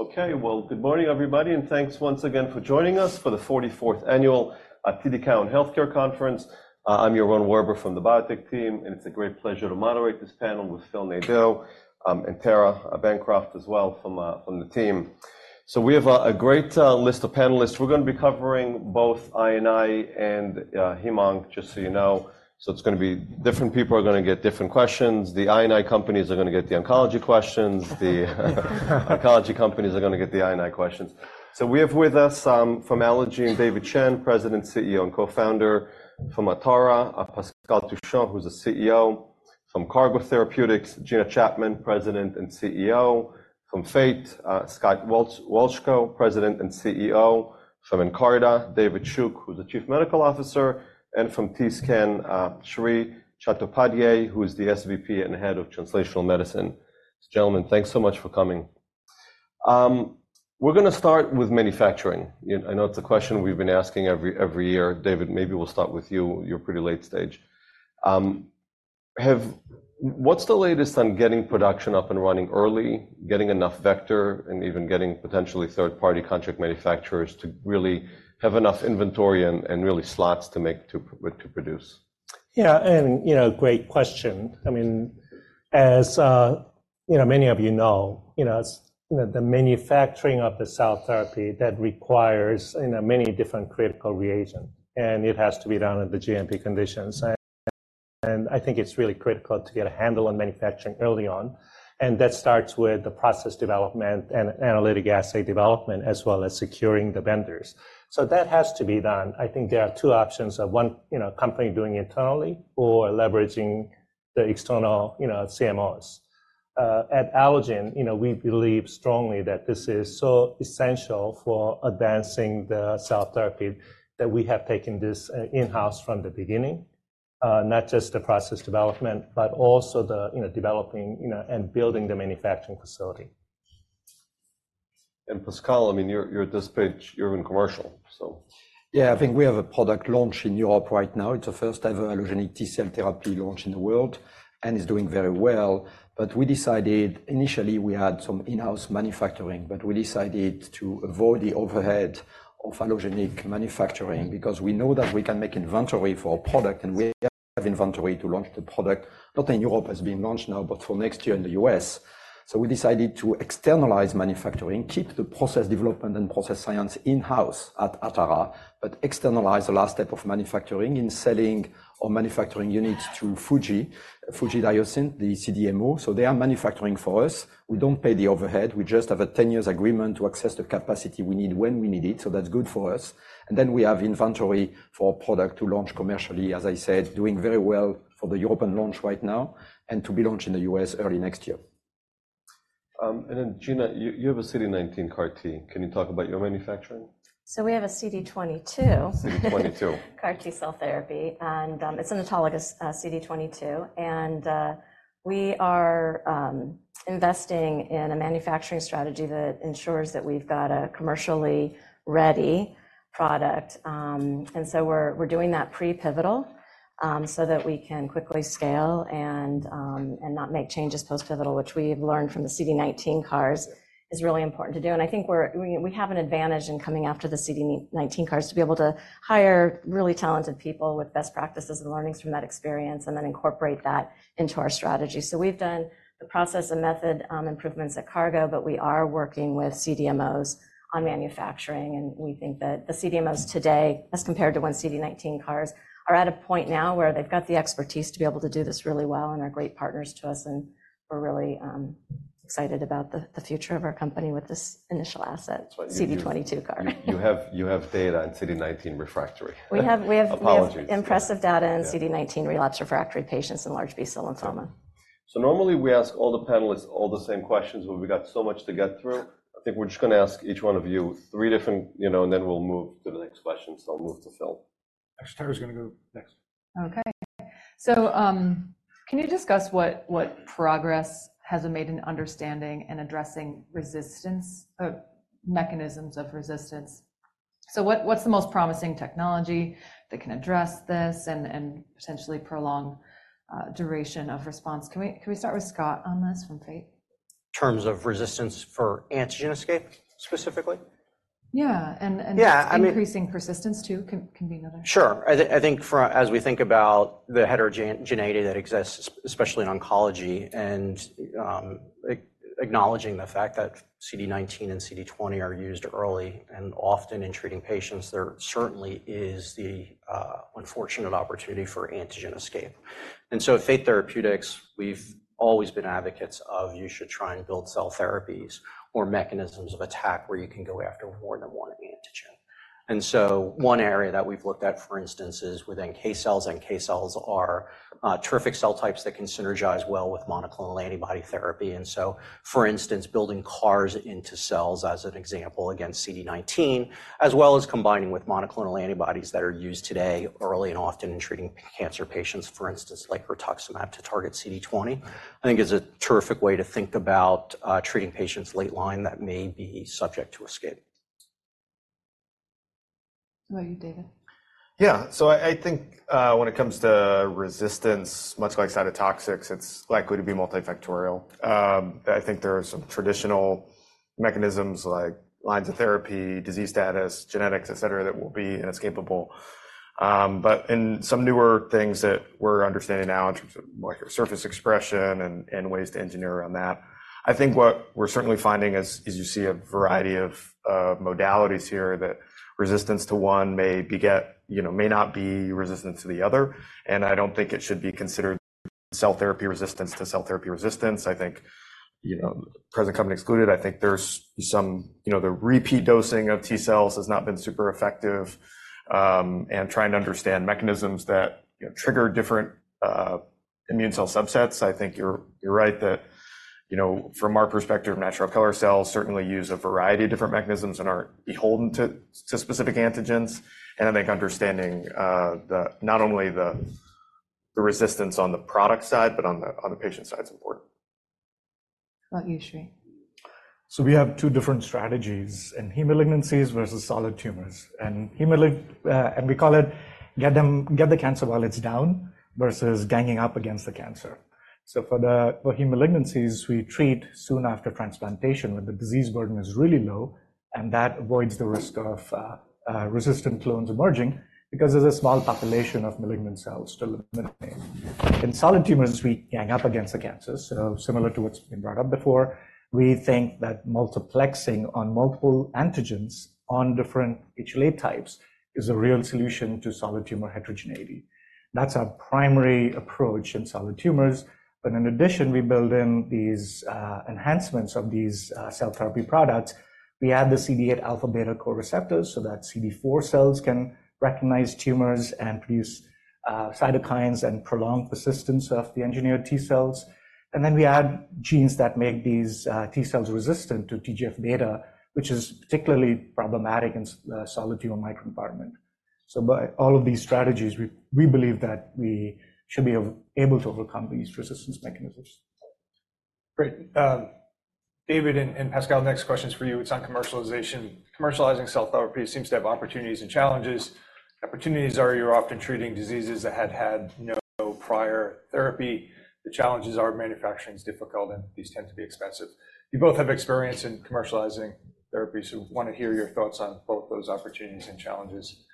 Okay, well, good morning, everybody, and thanks once again for joining us for the 44th Annual TD Cowen Health Care Conference. I'm Yaron Werber from the Biotech team, and it's a great pleasure to moderate this panel with Phil Nadeau and Tara Bancroft as well from the team. So we have a great list of panelists. We're gonna be covering both I&I and hem-onc, just so you know. So it's gonna be different people are gonna get different questions. The I&I companies are gonna get the oncology questions. The oncology companies are gonna get the I&I questions. So we have with us, from Allogene, David Chang, President, CEO, and Co-founder; from Atara, Pascal Touchon, who's the CEO; from Cargo Therapeutics, Gina Chapman, President and CEO; from Fate, Scott Wolchko, President and CEO; from Nkarta, David Shook, who's the Chief Medical Officer; and from T-Scan, Sri Chattopadhyay, who is the SVP and Head of Translational Medicine. Gentlemen, thanks so much for coming. We're gonna start with manufacturing. You know, I know it's a question we've been asking every year. David, maybe we'll start with you. You're pretty late stage. What's the latest on getting production up and running early, getting enough vector, and even getting potentially third-party contract manufacturers to really have enough inventory and really slots to make, to produce? Yeah, and you know, great question. I mean, as you know, many of you know, you know, the manufacturing of the cell therapy, that requires, you know, many different critical reagents, and it has to be done in the GMP conditions. And I think it's really critical to get a handle on manufacturing early on, and that starts with the process development and analytic assay development, as well as securing the vendors. So that has to be done. I think there are two options of, one, you know, company doing it internally or leveraging the external, you know, CMOs. At Allogene, you know, we believe strongly that this is so essential for advancing the cell therapy that we have taken this in-house from the beginning. Not just the process development, but also the, you know, developing, you know, and building the manufacturing facility. Pascal, I mean, you're at this stage, you're in commercial, so- Yeah, I think we have a product launch in Europe right now. It's the first-ever allogeneic T cell therapy launch in the world and is doing very well. But we decided... Initially we had some in-house manufacturing, but we decided to avoid the overhead of allogeneic manufacturing because we know that we can make inventory for a product, and we have inventory to launch the product, not in Europe, has been launched now, but for next year in the U.S. So we decided to externalize manufacturing, keep the process development and process science in-house at Atara, but externalize the last step of manufacturing in selling or manufacturing units to Fuji, Fujitsu, the CDMO. So they are manufacturing for us. We don't pay the overhead. We just have a ten years agreement to access the capacity we need when we need it, so that's good for us. And then we have inventory for product to launch commercially, as I said, doing very well for the European launch right now and to be launched in the U.S. early next year. And then, Gina, you have a CD19 CAR T. Can you talk about your manufacturing? So we have a CD22- CD22. CAR T cell therapy, and it's an autologous CD22. And we are investing in a manufacturing strategy that ensures that we've got a commercially ready product. And so we're doing that pre-pivotal, so that we can quickly scale and not make changes post-pivotal, which we've learned from the CD19 CARs, is really important to do. And I think we have an advantage in coming after the CD19 CARs to be able to hire really talented people with best practices and learnings from that experience and then incorporate that into our strategy. So we've done the process and method improvements at Cargo, but we are working with CDMOs on manufacturing. We think that the CDMOs today, as compared to when CD19 CARs, are at a point now where they've got the expertise to be able to do this really well and are great partners to us, and we're really excited about the future of our company with this initial asset- That's what you- CD22 CAR. You have data on CD19 refractory. We have. Apologies. We have impressive data- Yeah... in CD19 relapse/refractory patients in large B-cell lymphoma. So normally we ask all the panelists all the same questions, but we've got so much to get through. I think we're just gonna ask each one of you three different, you know, and then we'll move to the next question. So I'll move to Phil. Actually, Tara's gonna go next. Okay. So, can you discuss what, what progress has been made in understanding and addressing resistance, mechanisms of resistance? So what, what's the most promising technology that can address this and, and potentially prolong, duration of response? Can we, can we start with Scott on this from Fate? In terms of resistance for antigen escape, specifically? Yeah, and... Yeah, I mean- Increasing persistence, too, can be another. Sure. I think, as we think about the heterogeneity that exists, especially in oncology, and acknowledging the fact that CD19 and CD20 are used early and often in treating patients, there certainly is the unfortunate opportunity for antigen escape. And so at Fate Therapeutics, we've always been advocates of you should try and build cell therapies or mechanisms of attack where you can go after more than one antigen. And so one area that we've looked at, for instance, is with NK cells, and NK cells are terrific cell types that can synergize well with monoclonal antibody therapy. And so, for instance, building CARs into cells, as an example, against CD19, as well as combining with monoclonal antibodies that are used today early and often in treating cancer patients, for instance, like rituximab to target CD20, I think is a terrific way to think about treating patients late line that may be subject to escape.... How about you, David? Yeah, so I think, when it comes to resistance, much like cytotoxics, it's likely to be multifactorial. I think there are some traditional mechanisms like lines of therapy, disease status, genetics, et cetera, that will be inescapable. But in some newer things that we're understanding now, in terms of like surface expression and ways to engineer around that, I think what we're certainly finding is you see a variety of modalities here that resistance to one may beget—you know, may not be resistant to the other. And I don't think it should be considered cell therapy resistance to cell therapy resistance. I think, you know, present company excluded, I think there's some... You know, the repeat dosing of T-cells has not been super effective, and trying to understand mechanisms that, you know, trigger different immune cell subsets. I think you're right that, you know, from our perspective, natural killer cells certainly use a variety of different mechanisms and aren't beholden to specific antigens. And I think understanding not only the resistance on the product side, but on the patient side is important. How about you, Sri? So we have two different strategies in heme malignancies versus solid tumors. And heme malignancies, and we call it, get them, get the cancer while it's down, versus ganging up against the cancer. So for heme malignancies, we treat soon after transplantation, when the disease burden is really low, and that avoids the risk of resistant clones emerging because there's a small population of malignant cells still remaining. In solid tumors, we gang up against the cancer. So similar to what's been brought up before, we think that multiplexing on multiple antigens on different HLA types is a real solution to solid tumor heterogeneity. That's our primary approach in solid tumors, but in addition, we build in these enhancements of these cell therapy products. We add the CD8 alpha beta co-receptors, so that CD4 cells can recognize tumors and produce cytokines and prolong persistence of the engineered T-cells. And then we add genes that make these T-cells resistant to TGF-beta, which is particularly problematic in solid tumor microenvironment. So by all of these strategies, we believe that we should be able to overcome these resistance mechanisms. Great. David and Pascal, the next question is for you. It's on commercialization. Commercializing cell therapy seems to have opportunities and challenges. Opportunities are, you're often treating diseases that had had no prior therapy. The challenges are manufacturing is difficult, and these tend to be expensive. You both have experience in commercializing therapies, so we want to hear your thoughts on both those opportunities and challenges.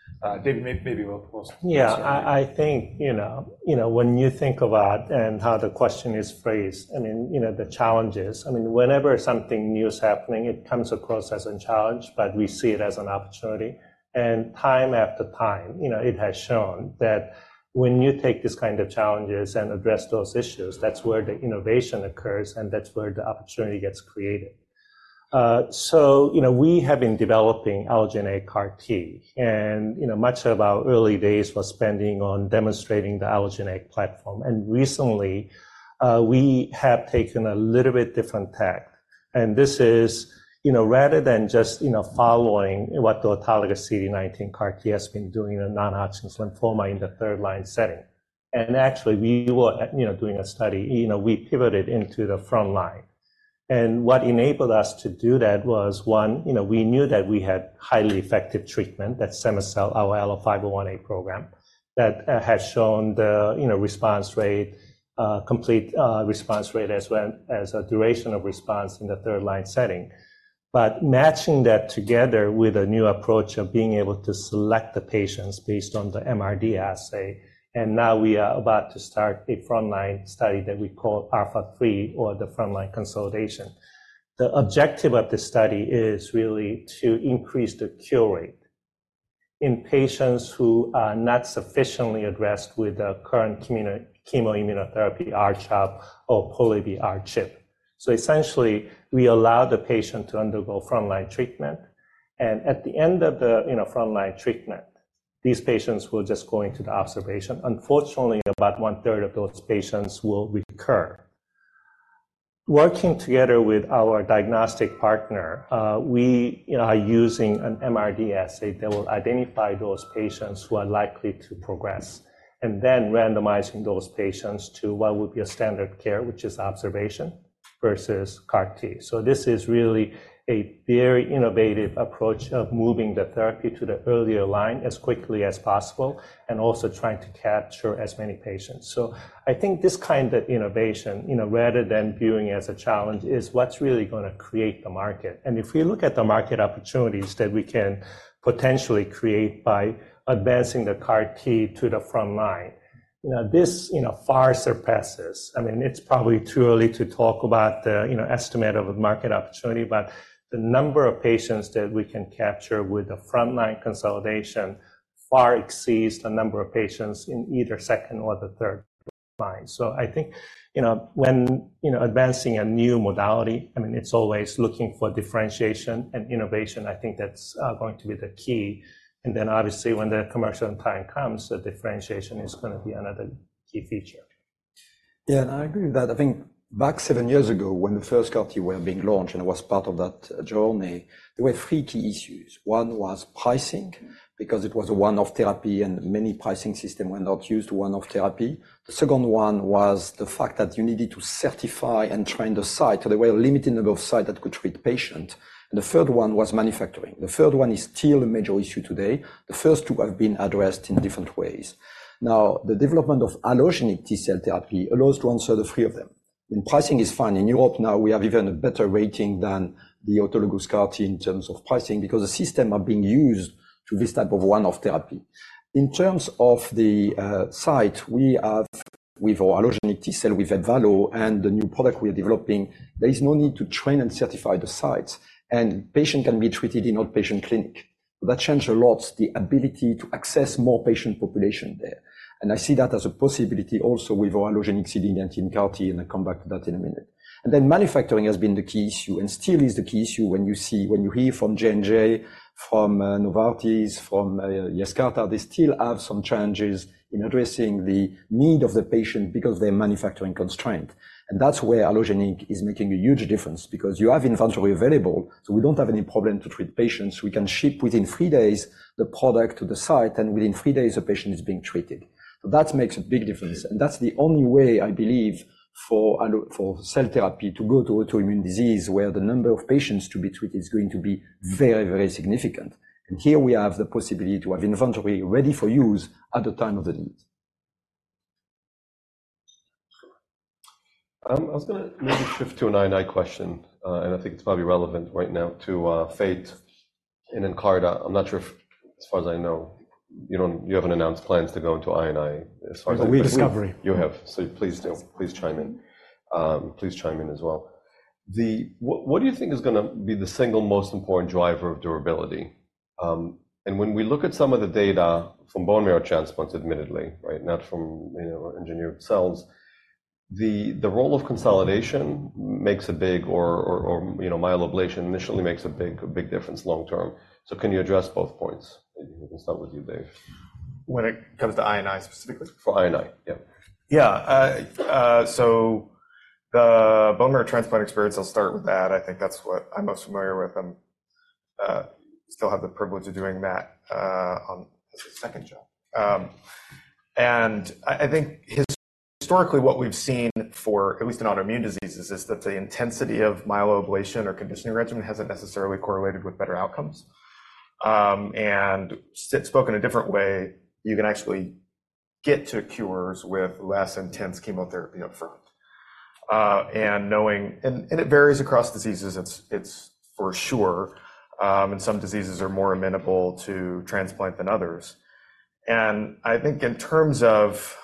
David, maybe we'll go- Yeah, I, I think, you know, you know, when you think about and how the question is phrased, I mean, you know, the challenges, I mean, whenever something new is happening, it comes across as a challenge, but we see it as an opportunity. Time after time, you know, it has shown that when you take these kind of challenges and address those issues, that's where the innovation occurs, and that's where the opportunity gets created. So, you know, we have been developing allogeneic CAR T, and, you know, much of our early days was spending on demonstrating the allogeneic platform. Recently, we have taken a little bit different tack, and this is, you know, rather than just, you know, following what the autologous CD19 CAR T has been doing in non-Hodgkin's lymphoma in the third-line setting, and actually, we were, you know, doing a study, you know, we pivoted into the frontline. And what enabled us to do that was, one, you know, we knew that we had highly effective treatment, that cema-cel, our ALLO-501A program, that has shown the, you know, response rate, complete response rate, as well as a duration of response in the third-line setting. But matching that together with a new approach of being able to select the patients based on the MRD assay, and now we are about to start a frontline study that we call ALPHA3 or the Frontline Consolidation. The objective of this study is really to increase the cure rate in patients who are not sufficiently addressed with the current chemo-immunotherapy, R-CHOP or Pola-R-CHP. So essentially, we allow the patient to undergo front-line treatment, and at the end of the, you know, front-line treatment, these patients will just go into the observation. Unfortunately, about one-third of those patients will recur. Working together with our diagnostic partner, we, you know, are using an MRD assay that will identify those patients who are likely to progress, and then randomizing those patients to what would be a standard care, which is observation versus CAR T. So this is really a very innovative approach of moving the therapy to the earlier line as quickly as possible and also trying to capture as many patients. So I think this kind of innovation, you know, rather than viewing it as a challenge, is what's really gonna create the market. And if we look at the market opportunities that we can potentially create by advancing the CAR T to the front line, you know, this, you know, far surpasses... I mean, it's probably too early to talk about the, you know, estimate of a market opportunity, but the number of patients that we can capture with the front-line consolidation far exceeds the number of patients in either second or the third line. So I think, you know, when, you know, advancing a new modality, I mean, it's always looking for differentiation and innovation. I think that's going to be the key. And then, obviously, when the commercial time comes, the differentiation is gonna be another key feature.... Yeah, and I agree with that. I think back seven years ago, when the first CAR-T were being launched, and I was part of that journey, there were three key issues. One was pricing, because it was a one-off therapy and many pricing system were not used one-off therapy. The second one was the fact that you needed to certify and train the site, so there were a limited number of site that could treat patient. And the third one was manufacturing. The third one is still a major issue today. The first two have been addressed in different ways. Now, the development of allogeneic T-cell therapy allows to answer the three of them. And pricing is fine. In Europe now, we have even a better rating than the autologous CAR-T in terms of pricing, because the system are being used to this type of one-off therapy. In terms of the site, we have, with our allogeneic T-cell, with Ebvallo and the new product we are developing, there is no need to train and certify the sites, and patient can be treated in outpatient clinic. That changed a lot, the ability to access more patient population there. And I see that as a possibility also with our allogeneic CD19 CAR-T, and I'll come back to that in a minute. And then manufacturing has been the key issue and still is the key issue when you see, when you hear from J&J, from Novartis, from Yescarta, they still have some challenges in addressing the need of the patient because they're manufacturing constraint. And that's where allogeneic is making a huge difference, because you have inventory available, so we don't have any problem to treat patients. We can ship within three days, the product to the site, and within three days, a patient is being treated. So that makes a big difference, and that's the only way, I believe, for allo, for cell therapy to go to autoimmune disease, where the number of patients to be treated is going to be very, very significant. And here we have the possibility to have inventory ready for use at the time of the need. I was gonna maybe shift to an I&I question, and I think it's probably relevant right now to Fate and Nkarta. I'm not sure if... As far as I know, you don't, you haven't announced plans to go into I&I as far as- We discovery. You have. So please do. Please chime in. Please chime in as well. What do you think is gonna be the single most important driver of durability? And when we look at some of the data from bone marrow transplants, admittedly, right, not from, you know, engineered cells, the role of consolidation makes a big, or, you know, myeloablation initially makes a big difference long term. So can you address both points? We can start with you, Dave. When it comes to I&I, specifically? For I&I, yep. Yeah. So the bone marrow transplant experience, I'll start with that. I think that's what I'm most familiar with, and still have the privilege of doing that on as a second job. And I think historically, what we've seen for at least in autoimmune diseases, is that the intensity of myeloablation or conditioning regimen hasn't necessarily correlated with better outcomes. And spoke in a different way, you can actually get to cures with less intense chemotherapy upfront. And it varies across diseases, it's for sure, and some diseases are more amenable to transplant than others. And I think in terms of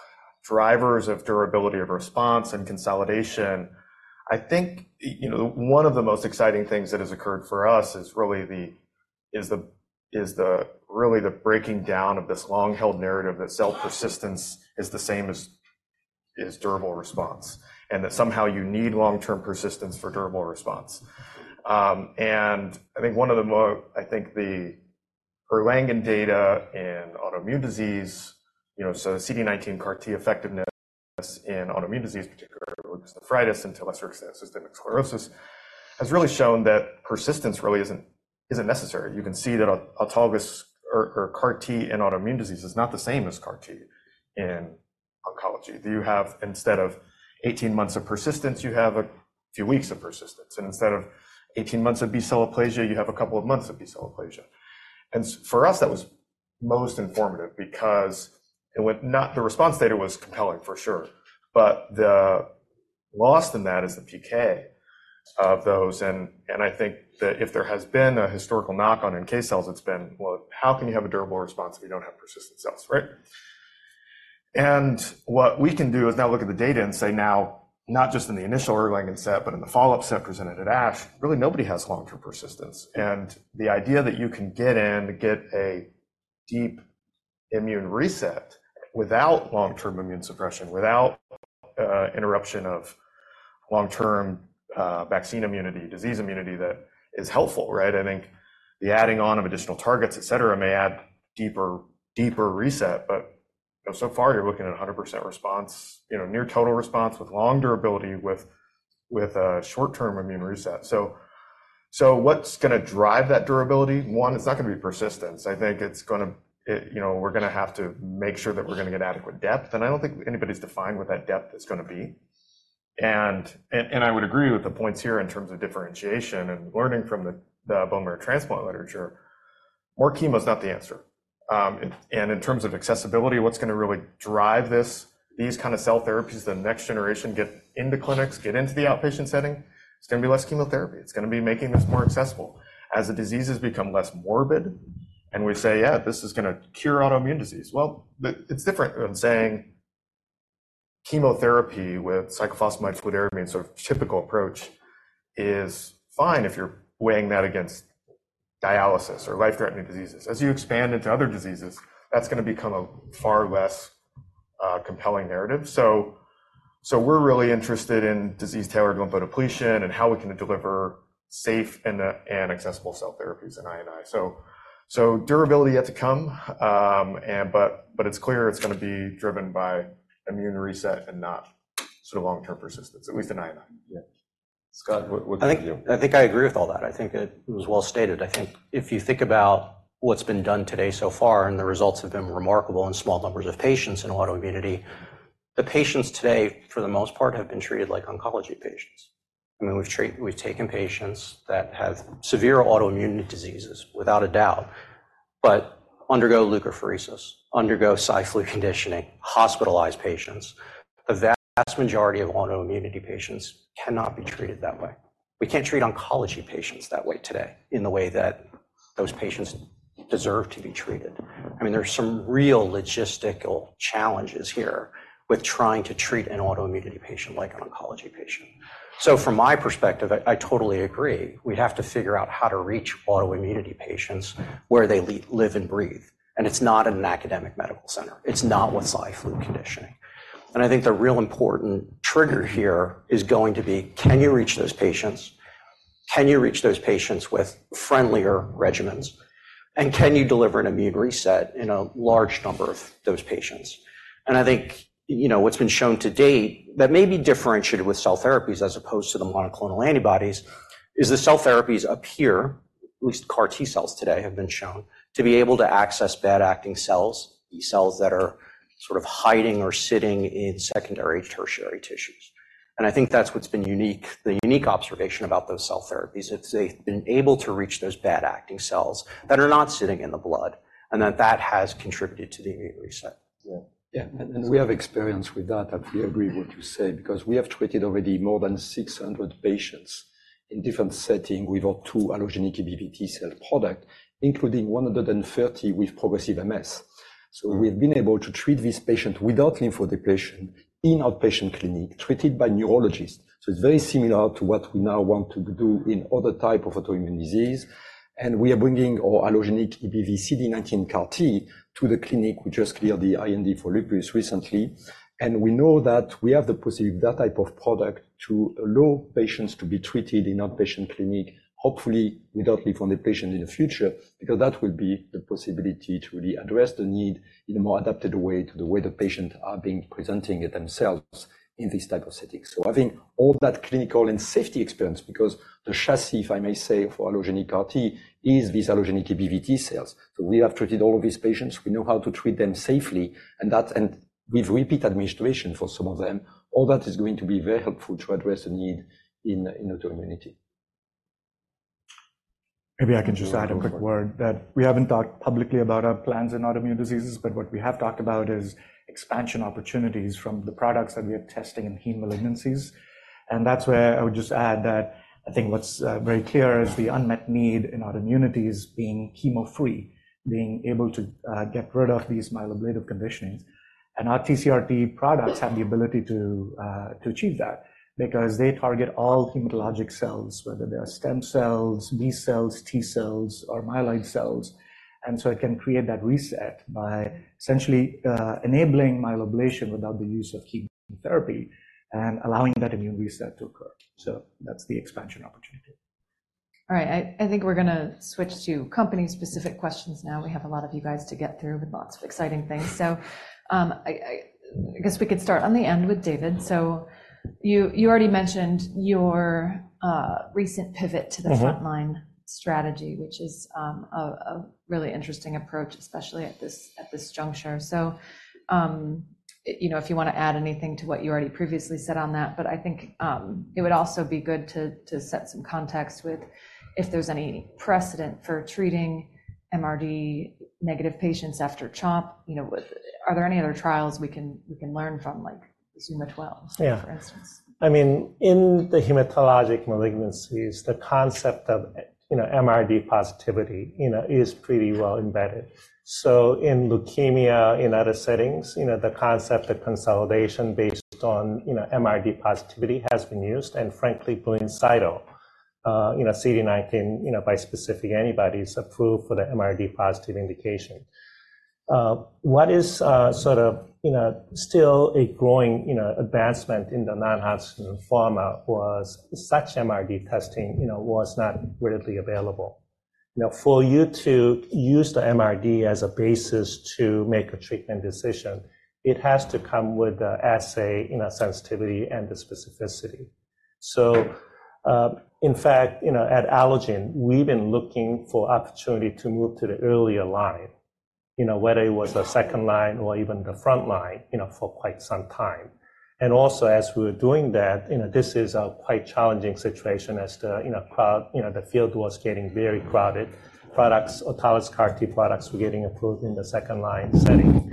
drivers of durability, of response and consolidation, I think you know, one of the most exciting things that has occurred for us is really the... is really the breaking down of this long-held narrative that T-cell persistence is the same as durable response, and that somehow you need long-term persistence for durable response. And I think the Erlangen data in autoimmune disease, you know, so the CD19 CAR-T effectiveness in autoimmune disease, particularly nephritis, and to a lesser extent, systemic sclerosis, has really shown that persistence really isn't necessary. You can see that autologous CAR-T in autoimmune disease is not the same as CAR-T in oncology. You don't have, instead of 18 months of persistence, you have a few weeks of persistence, and instead of 18 months of B-cell aplasia, you have a couple of months of B-cell aplasia. And for us, that was most informative because it went not... The response data was compelling, for sure, but the loss in that is the PK of those, and I think that if there has been a historical knock-on in K cells, it's been, well, how can you have a durable response if you don't have persistent cells, right? And what we can do is now look at the data and say, now, not just in the initial Erlangen set, but in the follow-up set presented at ASH, really, nobody has long-term persistence. And the idea that you can get in, get a deep immune reset without long-term immune suppression, without interruption of long-term vaccine immunity, disease immunity, that is helpful, right? I think the adding on of additional targets, et cetera, may add deeper, deeper reset, but so far, you're looking at 100% response, you know, near total response with long durability, with, with a short-term immune reset. So, so what's gonna drive that durability? One, it's not gonna be persistence. I think it's gonna, it, you know, we're gonna have to make sure that we're gonna get adequate depth, and I don't think anybody's defined what that depth is gonna be. And, and I would agree with the points here in terms of differentiation and learning from the, the bone marrow transplant literature. More chemo is not the answer. And in terms of accessibility, what's gonna really drive this, these kind of cell therapies, the next generation, get into clinics, get into the outpatient setting, it's gonna be less chemotherapy. It's gonna be making this more accessible. As the diseases become less morbid, and we say, "Yeah, this is gonna cure autoimmune disease," well, it's different than saying chemotherapy with cyclophosphamide fludarabine, sort of typical approach, is fine if you're weighing that against dialysis or life-threatening diseases. As you expand into other diseases, that's gonna become a far less compelling narrative. So we're really interested in disease-tailored lymphodepletion and how we can deliver-... safe and accessible cell therapies in I and I. So durability yet to come, and it's clear it's gonna be driven by immune reset and not sort of long-term persistence, at least in I and I. Yeah. Scott, what, what do you think? I think, I think I agree with all that. I think it was well stated. I think if you think about what's been done today so far, and the results have been remarkable in small numbers of patients in autoimmunity, the patients today, for the most part, have been treated like oncology patients. I mean, we've taken patients that have severe autoimmune diseases, without a doubt, but undergo leukapheresis, undergo Cy/Flu conditioning, hospitalized patients. The vast majority of autoimmunity patients cannot be treated that way. We can't treat oncology patients that way today in the way that those patients deserve to be treated. I mean, there are some real logistical challenges here with trying to treat an autoimmunity patient like an oncology patient. So from my perspective, I totally agree. We have to figure out how to reach autoimmune patients where they live and breathe, and it's not in an academic medical center. It's not with Cy/Flu conditioning. And I think the real important trigger here is going to be: Can you reach those patients? Can you reach those patients with friendlier regimens? And can you deliver an immune reset in a large number of those patients? And I think, you know, what's been shown to date that may be differentiated with cell therapies as opposed to the monoclonal antibodies, is the cell therapies appear, at least CAR T-cells today, have been shown to be able to access bad-acting cells, B cells that are sort of hiding or sitting in secondary, tertiary tissues. And I think that's what's been unique. The unique observation about those cell therapies is that they've been able to reach those bad-acting cells that are not sitting in the blood, and that has contributed to the immune reset. Yeah. Yeah. And we have experience with that. I fully agree what you said, because we have treated already more than 600 patients in different setting with our two allogeneic EBV T cell product, including 130 with progressive MS. So we've been able to treat this patient without lymphodepletion in outpatient clinic, treated by neurologist. So it's very similar to what we now want to do in other type of autoimmune disease. And we are bringing our allogeneic EBV CD19 CAR T to the clinic. We just cleared the IND for lupus recently, and we know that we have the possibility, that type of product, to allow patients to be treated in outpatient clinic, hopefully without lymphodepletion in the future, because that will be the possibility to really address the need in a more adapted way to the way the patient are being presenting it themselves in this type of setting. So having all that clinical and safety experience, because the chassis, if I may say, for allogeneic CAR T, is these allogeneic EBV T cells. So we have treated all of these patients. We know how to treat them safely, and that and with repeat administration for some of them, all that is going to be very helpful to address the need in autoimmunity. Maybe I can just add a quick word, that we haven't talked publicly about our plans in autoimmune diseases, but what we have talked about is expansion opportunities from the products that we are testing in heme malignancies. That's where I would just add that I think what's very clear is the unmet need in autoimmunities being chemo-free, being able to get rid of these myeloablative conditionings. Our TCR-T products have the ability to achieve that because they target all hematologic cells, whether they are stem cells, B-cells, T-cells, or myeloid cells. So it can create that reset by essentially enabling myeloablation without the use of chemotherapy and allowing that immune reset to occur. That's the expansion opportunity. All right, I think we're gonna switch to company-specific questions now. We have a lot of you guys to get through with lots of exciting things. So, I guess we could start on the end with David. So you already mentioned your recent pivot to the- Mm-hmm... frontline strategy, which is a really interesting approach, especially at this juncture. So, you know, if you wanna add anything to what you already previously said on that, but I think it would also be good to set some context with if there's any precedent for treating MRD negative patients after CHOP. You know, with - Are there any other trials we can learn from, like the ZUMA-12 - Yeah -for instance? I mean, in the hematologic malignancies, the concept of, you know, MRD positivity, you know, is pretty well embedded. So in leukemia, in other settings, you know, the concept of consolidation based on, you know, MRD positivity has been used. And frankly, Blincyto, you know, CD19, you know, bispecific antibodies approved for the MRD positive indication. What is sort of, you know, still a growing, you know, advancement in the non-Hodgkin lymphoma was such MRD testing, you know, was not readily available. You know, for you to use the MRD as a basis to make a treatment decision, it has to come with an assay, you know, sensitivity and the specificity. So, in fact, you know, at Allogene, we've been looking for opportunity to move to the earlier line, you know, whether it was the second line or even the front line, you know, for quite some time. And also, as we were doing that, you know, this is a quite challenging situation as the, you know, crowd, you know, the field was getting very crowded. Autologous CAR T products were getting approved in the second-line setting.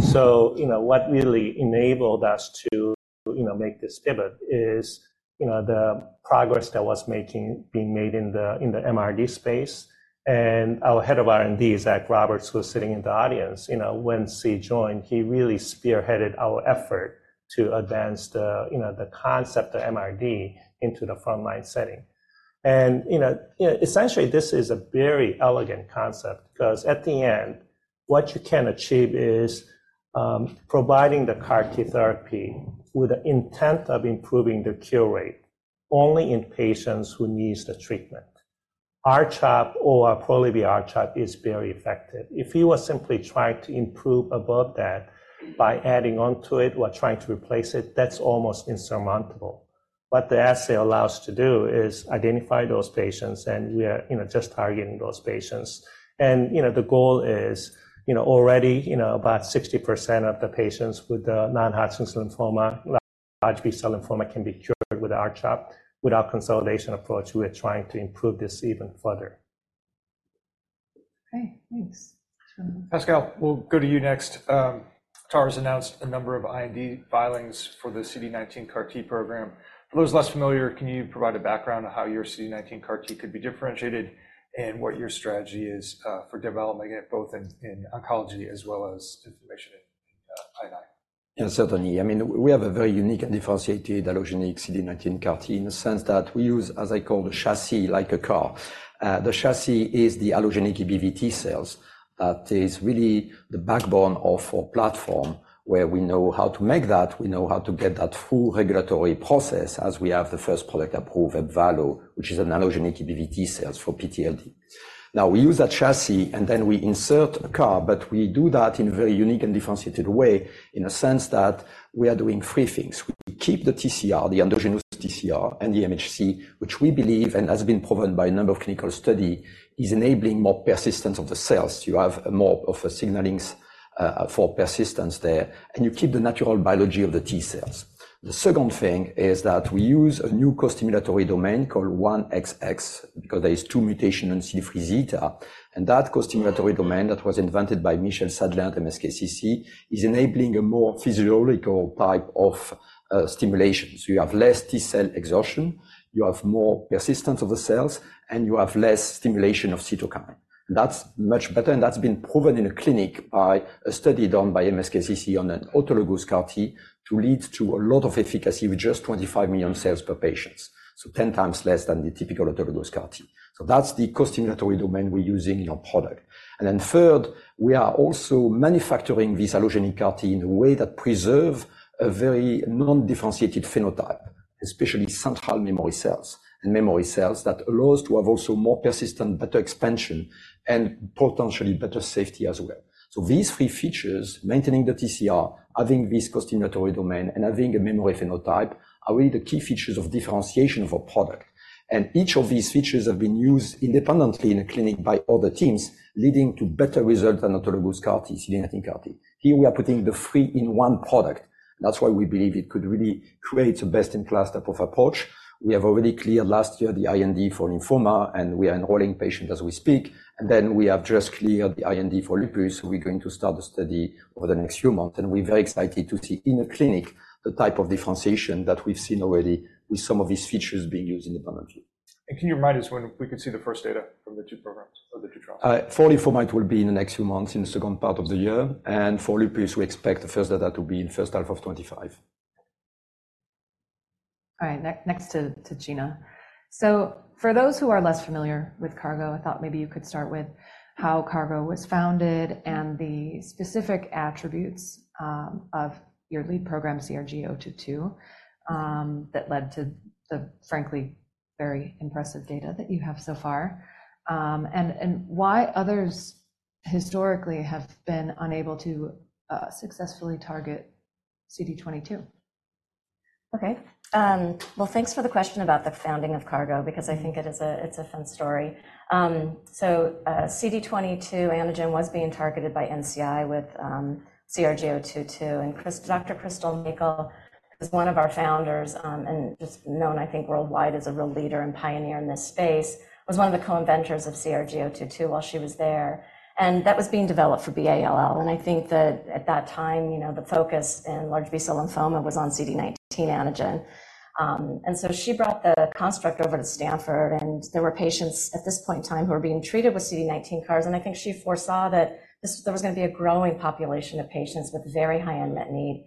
So, you know, what really enabled us to, you know, make this pivot is, you know, the progress that was being made in the, in the MRD space. And our head of R&D, Zach Roberts, who is sitting in the audience, you know, when he joined, he really spearheaded our effort to advance the, you know, the concept of MRD into the front-line setting. You know, essentially, this is a very elegant concept because at the end-... What you can achieve is providing the CAR T therapy with the intent of improving the cure rate only in patients who needs the treatment. R-CHOP or Pola-R-CHOP is very effective. If you are simply trying to improve above that by adding on to it or trying to replace it, that's almost insurmountable. What the assay allows us to do is identify those patients, and we are, you know, just targeting those patients. And, you know, the goal is, you know, already, you know, about 60% of the patients with non-Hodgkin's lymphoma, large B-cell lymphoma can be cured with R-CHOP. With our consolidation approach, we are trying to improve this even further. Okay, thanks, Gina. Pascal, we'll go to you next. Atara's announced a number of IND filings for the CD19 CAR-T program. For those less familiar, can you provide a background on how your CD19 CAR-T could be differentiated and what your strategy is, for developing it, both in, in oncology as well as inflammation in PID? Yeah, certainly. I mean, we have a very unique and differentiated allogeneic CD19 CAR-T in the sense that we use, as I call, a chassis, like a car. The chassis is the allogeneic EBV T-cells. That is really the backbone of our platform, where we know how to make that, we know how to get that through regulatory process, as we have the first product approved at Ebvallo, which is an allogeneic EBV T-cells for PTLD. Now, we use that chassis, and then we insert a CAR, but we do that in a very unique and differentiated way, in a sense that we are doing three things. We keep the TCR, the endogenous TCR and the MHC, which we believe, and has been proven by a number of clinical study, is enabling more persistence of the cells. You have more of a signaling for persistence there, and you keep the natural biology of the T cells. The second thing is that we use a new costimulatory domain called 1XX, because there are two mutations in CD3 zeta, and that costimulatory domain that was invented by Michel Sadelain at MSKCC is enabling a more physiological type of stimulation. So you have less T-cell exhaustion, you have more persistence of the cells, and you have less stimulation of cytokines. That's much better, and that's been proven in a clinic by a study done by MSKCC on an autologous CAR-T to lead to a lot of efficacy with just 25 million cells per patient, so 10 times less than the typical autologous CAR-T. So that's the costimulatory domain we're using in our product. Then third, we are also manufacturing this allogeneic CAR-T in a way that preserve a very non-differentiated phenotype, especially central memory cells and memory cells, that allows to have also more persistent, better expansion and potentially better safety as well. So these three features, maintaining the TCR, adding this costimulatory domain, and adding a memory phenotype, are really the key features of differentiation of our product. Each of these features have been used independently in a clinic by other teams, leading to better results than autologous CAR-T, CD19 CAR-T. Here we are putting the three in one product. That's why we believe it could really create a best-in-class type of approach. We have already cleared last year the IND for lymphoma, and we are enrolling patients as we speak, and then we have just cleared the IND for lupus, so we're going to start the study over the next few months. We're very excited to see in the clinic the type of differentiation that we've seen already with some of these features being used independently. Can you remind us when we can see the first data from the two programs or the two trials? For lymphoma, it will be in the next few months, in the second part of the year, and for lupus, we expect the first data to be in first half of 2025. All right, next to Gina. So for those who are less familiar with Cargo, I thought maybe you could start with how Cargo was founded and the specific attributes of your lead program, CRG-022, that led to the, frankly, very impressive data that you have so far, and why others historically have been unable to successfully target CD22. Okay, well, thanks for the question about the founding of Cargo, because I think it is a fun story. So, CD22 antigen was being targeted by NCI with CRG-022, and Dr. Crystal Mackall is one of our founders, and just known, I think, worldwide as a real leader and pioneer in this space, was one of the co-inventors of CRG-022 while she was there. And that was being developed for ALL. And I think that at that time, you know, the focus in large B-cell lymphoma was on CD19 antigen. And so she brought the construct over to Stanford, and there were patients at this point in time who were being treated with CD19 CARs, and I think she foresaw that there was gonna be a growing population of patients with very high unmet need.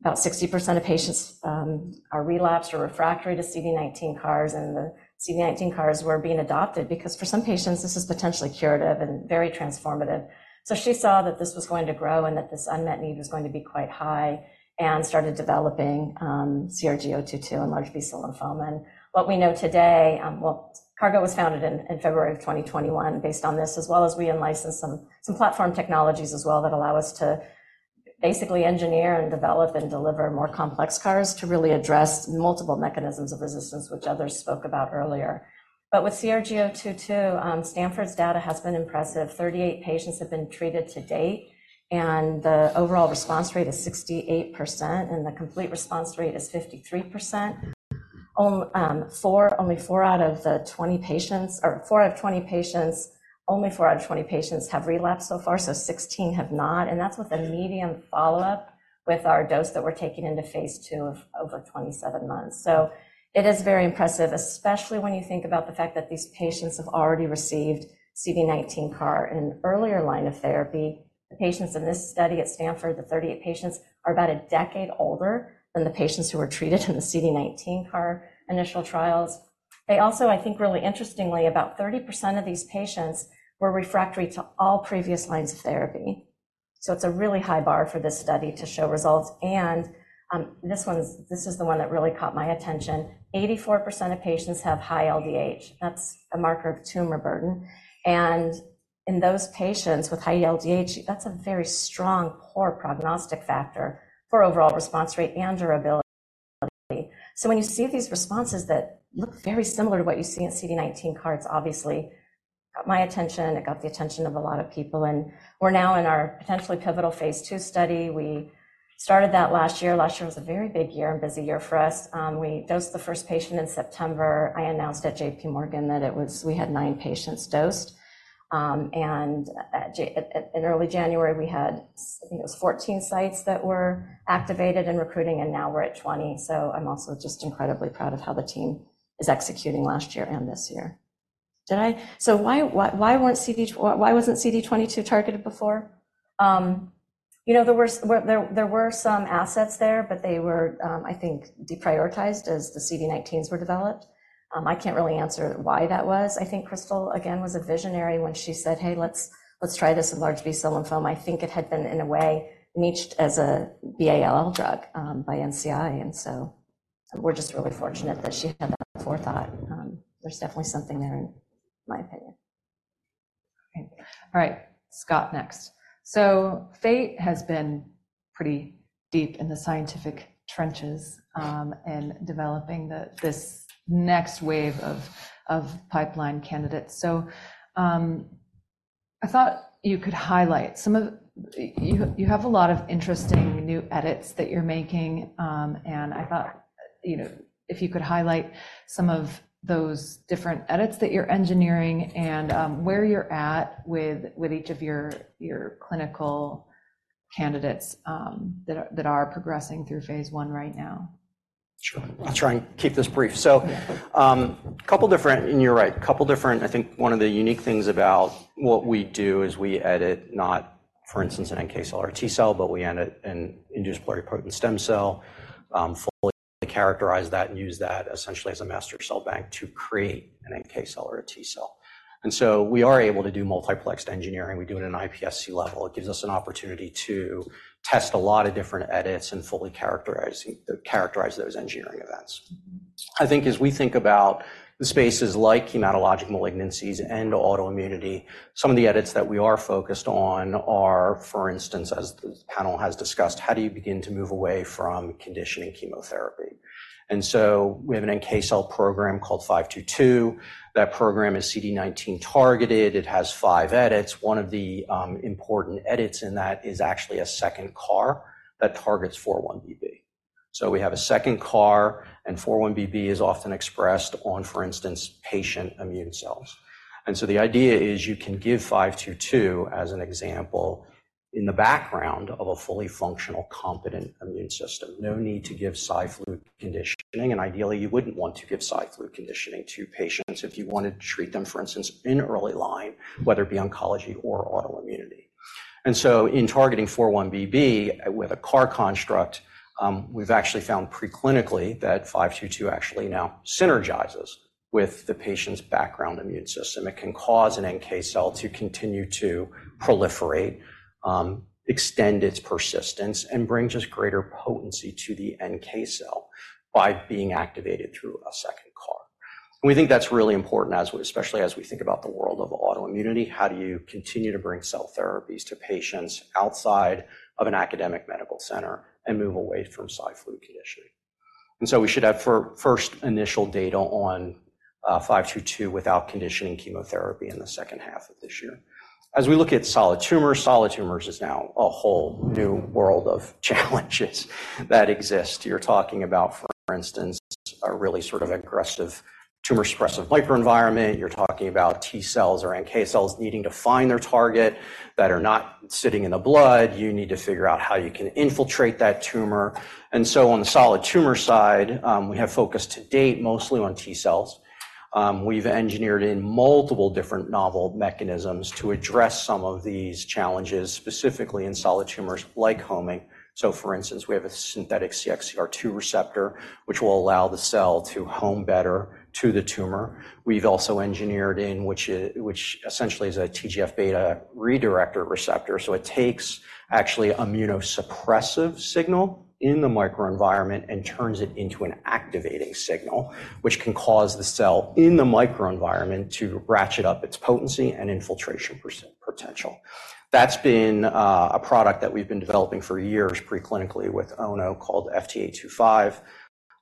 About 60% of patients are relapsed or refractory to CD19 CARs, and the CD19 CARs were being adopted because for some patients, this is potentially curative and very transformative. So she saw that this was going to grow and that this unmet need was going to be quite high and started developing CRG-022 in large B-cell lymphoma. And what we know today, well, Cargo was founded in February 2021 based on this, as well as we in-licensed some platform technologies as well that allow us to basically engineer and develop and deliver more complex CARs to really address multiple mechanisms of resistance, which others spoke about earlier. But with CRG-022, Stanford's data has been impressive. 38 patients have been treated to date, and the overall response rate is 68%, and the complete response rate is 53%. four, only four out of the 20 patients, or four out of 20 patients, only four out of 20 patients have relapsed so far, so 16 have not. And that's with a median follow-up with our dose that we're taking into phase II of over 27 months. So it is very impressive, especially when you think about the fact that these patients have already received CD19 CAR in an earlier line of therapy. The patients in this study at Stanford, the 38 patients, are about a decade older than the patients who were treated in the CD19 CAR initial trials. They also, I think, really interestingly, about 30% of these patients were refractory to all previous lines of therapy. So it's a really high bar for this study to show results, and this is the one that really caught my attention. 84% of patients have high LDH. That's a marker of tumor burden, and in those patients with high LDH, that's a very strong, poor prognostic factor for overall response rate and durability. So when you see these responses that look very similar to what you see in CD19 CAR Ts, obviously, got my attention, it got the attention of a lot of people, and we're now in our potentially pivotal phase II study. We started that last year. Last year was a very big year and busy year for us. We dosed the first patient in September. I announced at JPMorgan that we had nine patients dosed. And in early January, we had, I think it was 14 sites that were activated and recruiting, and now we're at 20. So I'm also just incredibly proud of how the team is executing last year and this year. So why wasn't CD22 targeted before? You know, there were some assets there, but they were, I think, deprioritized as the CD19s were developed. I can't really answer why that was. I think Crystal, again, was a visionary when she said, "Hey, let's try this in large B-cell lymphoma." I think it had been, in a way, niched as a B-ALL drug by NCI, and so we're just really fortunate that she had that forethought. There's definitely something there, in my opinion. Great. All right, Scott, next. So Fate has been pretty deep in the scientific trenches in developing this next wave of pipeline candidates. So, I thought you could highlight some of. You have a lot of interesting new edits that you're making, and I thought, you know, if you could highlight some of those different edits that you're engineering and where you're at with each of your clinical candidates that are progressing through phase I right now. Sure. I'll try and keep this brief. So, a couple different, and you're right, a couple different. I think one of the unique things about what we do is we edit, not, for instance, an NK cell or a T cell, but we edit an induced pluripotent stem cell, fully characterize that, and use that essentially as a master cell bank to create an NK cell or a T cell. And so we are able to do multiplexed engineering. We do it in an iPSC level. It gives us an opportunity to test a lot of different edits and fully characterize, characterize those engineering events. I think as we think about the spaces like hematologic malignancies and autoimmunity, some of the edits that we are focused on are, for instance, as the panel has discussed, how do you begin to move away from conditioning chemotherapy? We have an NK cell program called FT522. That program is CD19 targeted. It has five edits. One of the important edits in that is actually a second CAR that targets 4-1BB. So we have a second CAR, and 4-1BB is often expressed on, for instance, patient immune cells. And so the idea is you can give FT522, as an example, in the background of a fully functional, competent immune system. No need to give Cy/Flu conditioning, and ideally, you wouldn't want to give Cy/Flu conditioning to patients if you wanted to treat them, for instance, in early line, whether it be oncology or autoimmunity. And so in targeting 4-1BB with a CAR construct, we've actually found preclinically that FT522 actually now synergizes with the patient's background immune system. It can cause an NK cell to continue to proliferate, extend its persistence, and bring just greater potency to the NK cell by being activated through a second CAR. We think that's really important, as we, especially as we think about the world of autoimmunity, how do you continue to bring cell therapies to patients outside of an academic medical center and move away from Cy/Flu conditioning? And so we should have first initial data on FT522 without conditioning chemotherapy in the second half of this year. As we look at solid tumors, solid tumors is now a whole new world of challenges that exist. You're talking about, for instance, a really sort of aggressive tumor suppressive microenvironment. You're talking about T cells or NK cells needing to find their target that are not sitting in the blood. You need to figure out how you can infiltrate that tumor. So on the solid tumor side, we have focused to date mostly on T cells. We've engineered in multiple different novel mechanisms to address some of these challenges, specifically in solid tumors like homing. So for instance, we have a synthetic CXCR2 receptor, which will allow the cell to home better to the tumor. We've also engineered in which is a TGF-beta redirector receptor. So it takes actually immunosuppressive signal in the microenvironment and turns it into an activating signal, which can cause the cell in the microenvironment to ratchet up its potency and infiltration potential. That's been a product that we've been developing for years preclinically with Ono called FT825,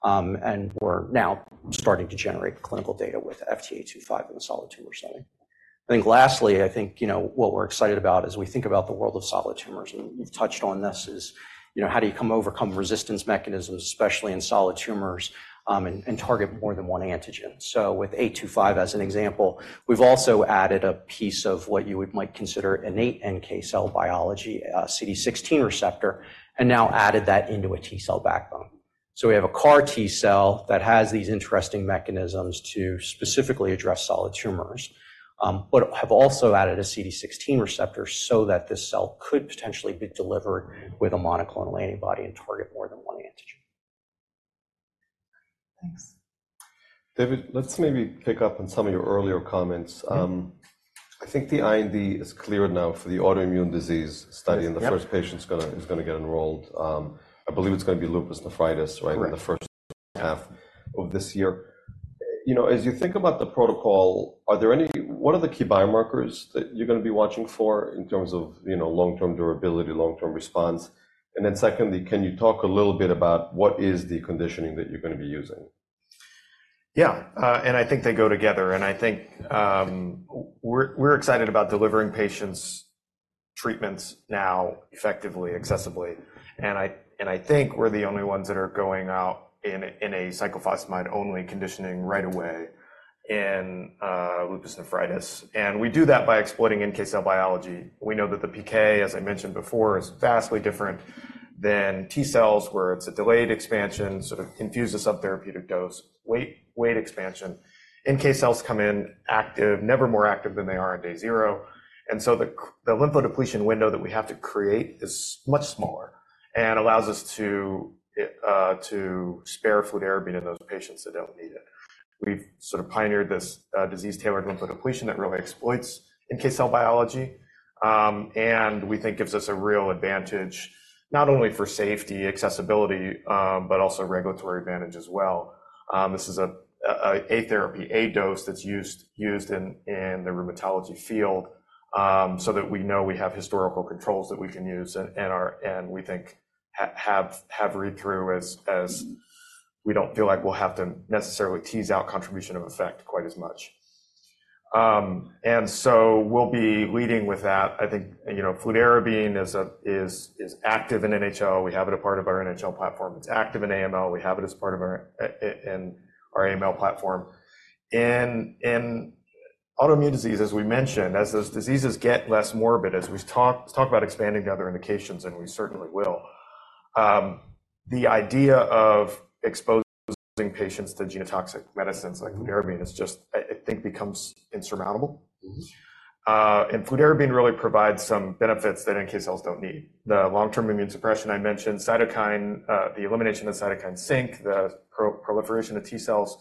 and we're now starting to generate clinical data with FT825 in the solid tumor setting. I think lastly, I think, you know, what we're excited about as we think about the world of solid tumors, and we've touched on this, is, you know, how do you overcome resistance mechanisms, especially in solid tumors, and target more than one antigen? So with FT825 as an example, we've also added a piece of what you might consider innate NK cell biology, CD16 receptor, and now added that into a T-cell backbone. So we have a CAR T-cell that has these interesting mechanisms to specifically address solid tumors, but have also added a CD16 receptor so that this cell could potentially be delivered with a monoclonal antibody and target more than one antigen.... Thanks. David, let's maybe pick up on some of your earlier comments. I think the IND is cleared now for the autoimmune disease study- Yes. the first patient's gonna get enrolled. I believe it's gonna be lupus nephritis, right? Correct. In the first half of this year, you know, as you think about the protocol, what are the key biomarkers that you're gonna be watching for in terms of, you know, long-term durability, long-term response? And then secondly, can you talk a little bit about what is the conditioning that you're gonna be using? Yeah, and I think they go together, and I think we're, we're excited about delivering patients treatments now effectively, accessibly. And I think we're the only ones that are going out in a cyclophosphamide-only conditioning right away in lupus nephritis. And we do that by exploiting NK cell biology. We know that the PK, as I mentioned before, is vastly different than T cells, where it's a delayed expansion, sort of infuse a subtherapeutic dose, wait, wait expansion. NK cells come in active, never more active than they are on day zero, and so the lymphodepletion window that we have to create is much smaller and allows us to spare fludarabine in those patients that don't need it. We've sort of pioneered this, disease-tailored lymphodepletion that really exploits NK cell biology, and wde think gives us a real advantage, not only for safety, accessibility, but also regulatory advantage as well. This is a therapy, a dose that's used in the rheumatology field, so that we know we have historical controls that we can use and we think have read through as. We don't feel like we'll have to necessarily tease out contribution of effect quite as much. And so we'll be leading with that. I think, you know, fludarabine is active in NHL. We have it as part of our NHL platform. It's active in AML. We have it as part of our AML platform. In autoimmune disease, as we mentioned, as those diseases get less morbid, as we talk about expanding the other indications, and we certainly will, the idea of exposing patients to genotoxic medicines like fludarabine is just, I think, becomes insurmountable. Mm-hmm. Fludarabine really provides some benefits that NK cells don't need. The long-term immune suppression I mentioned, cytokine, the elimination of cytokine sink, the pro-proliferation of T cells,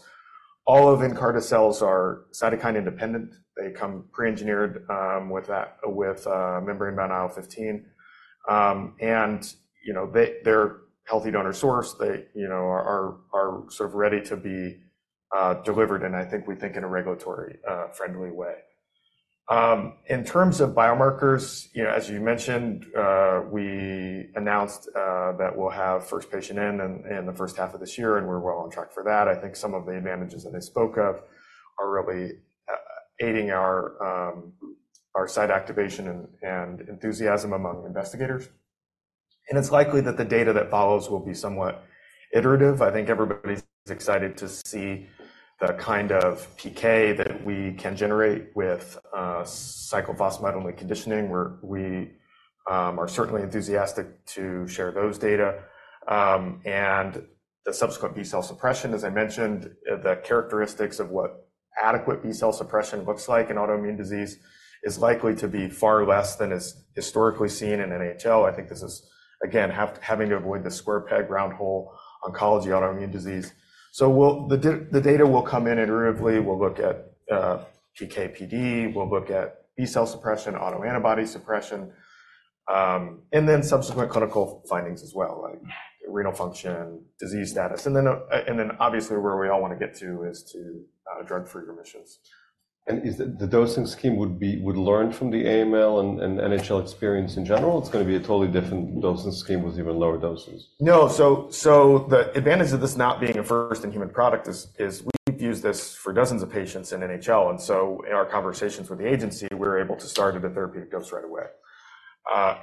all of Nkarta cells are cytokine independent. They come pre-engineered, with a, with a membrane-bound IL-15. And, you know, they, they're healthy donor source. They, you know, are, are, are sort of ready to be, delivered, and I think we think in a regulatory, friendly way. In terms of biomarkers, you know, as you mentioned, we announced, that we'll have first patient in the first half of this year, and we're well on track for that. I think some of the advantages that I spoke of are really aiding our site activation and enthusiasm among investigators, and it's likely that the data that follows will be somewhat iterative. I think everybody's excited to see the kind of PK that we can generate with cyclophosphamide-only conditioning, where we are certainly enthusiastic to share those data. And the subsequent B-cell suppression, as I mentioned, the characteristics of what adequate B-cell suppression looks like in autoimmune disease is likely to be far less than is historically seen in NHL. I think this is, again, having to avoid the square peg, round hole, oncology, autoimmune disease. So the data will come in iteratively. We'll look at PK/PD, we'll look at B-cell suppression, autoantibody suppression, and then subsequent clinical findings as well, like renal function, disease status, and then obviously, where we all want to get to is to drug-free remissions. Is the dosing scheme would be... would learn from the AML and NHL experience in general? It's gonna be a totally different dosing scheme with even lower doses. No, so, so the advantage of this not being a first-in-human product is, is we've used this for dozens of patients in NHL, and so in our conversations with the agency, we're able to start at a therapeutic dose right away.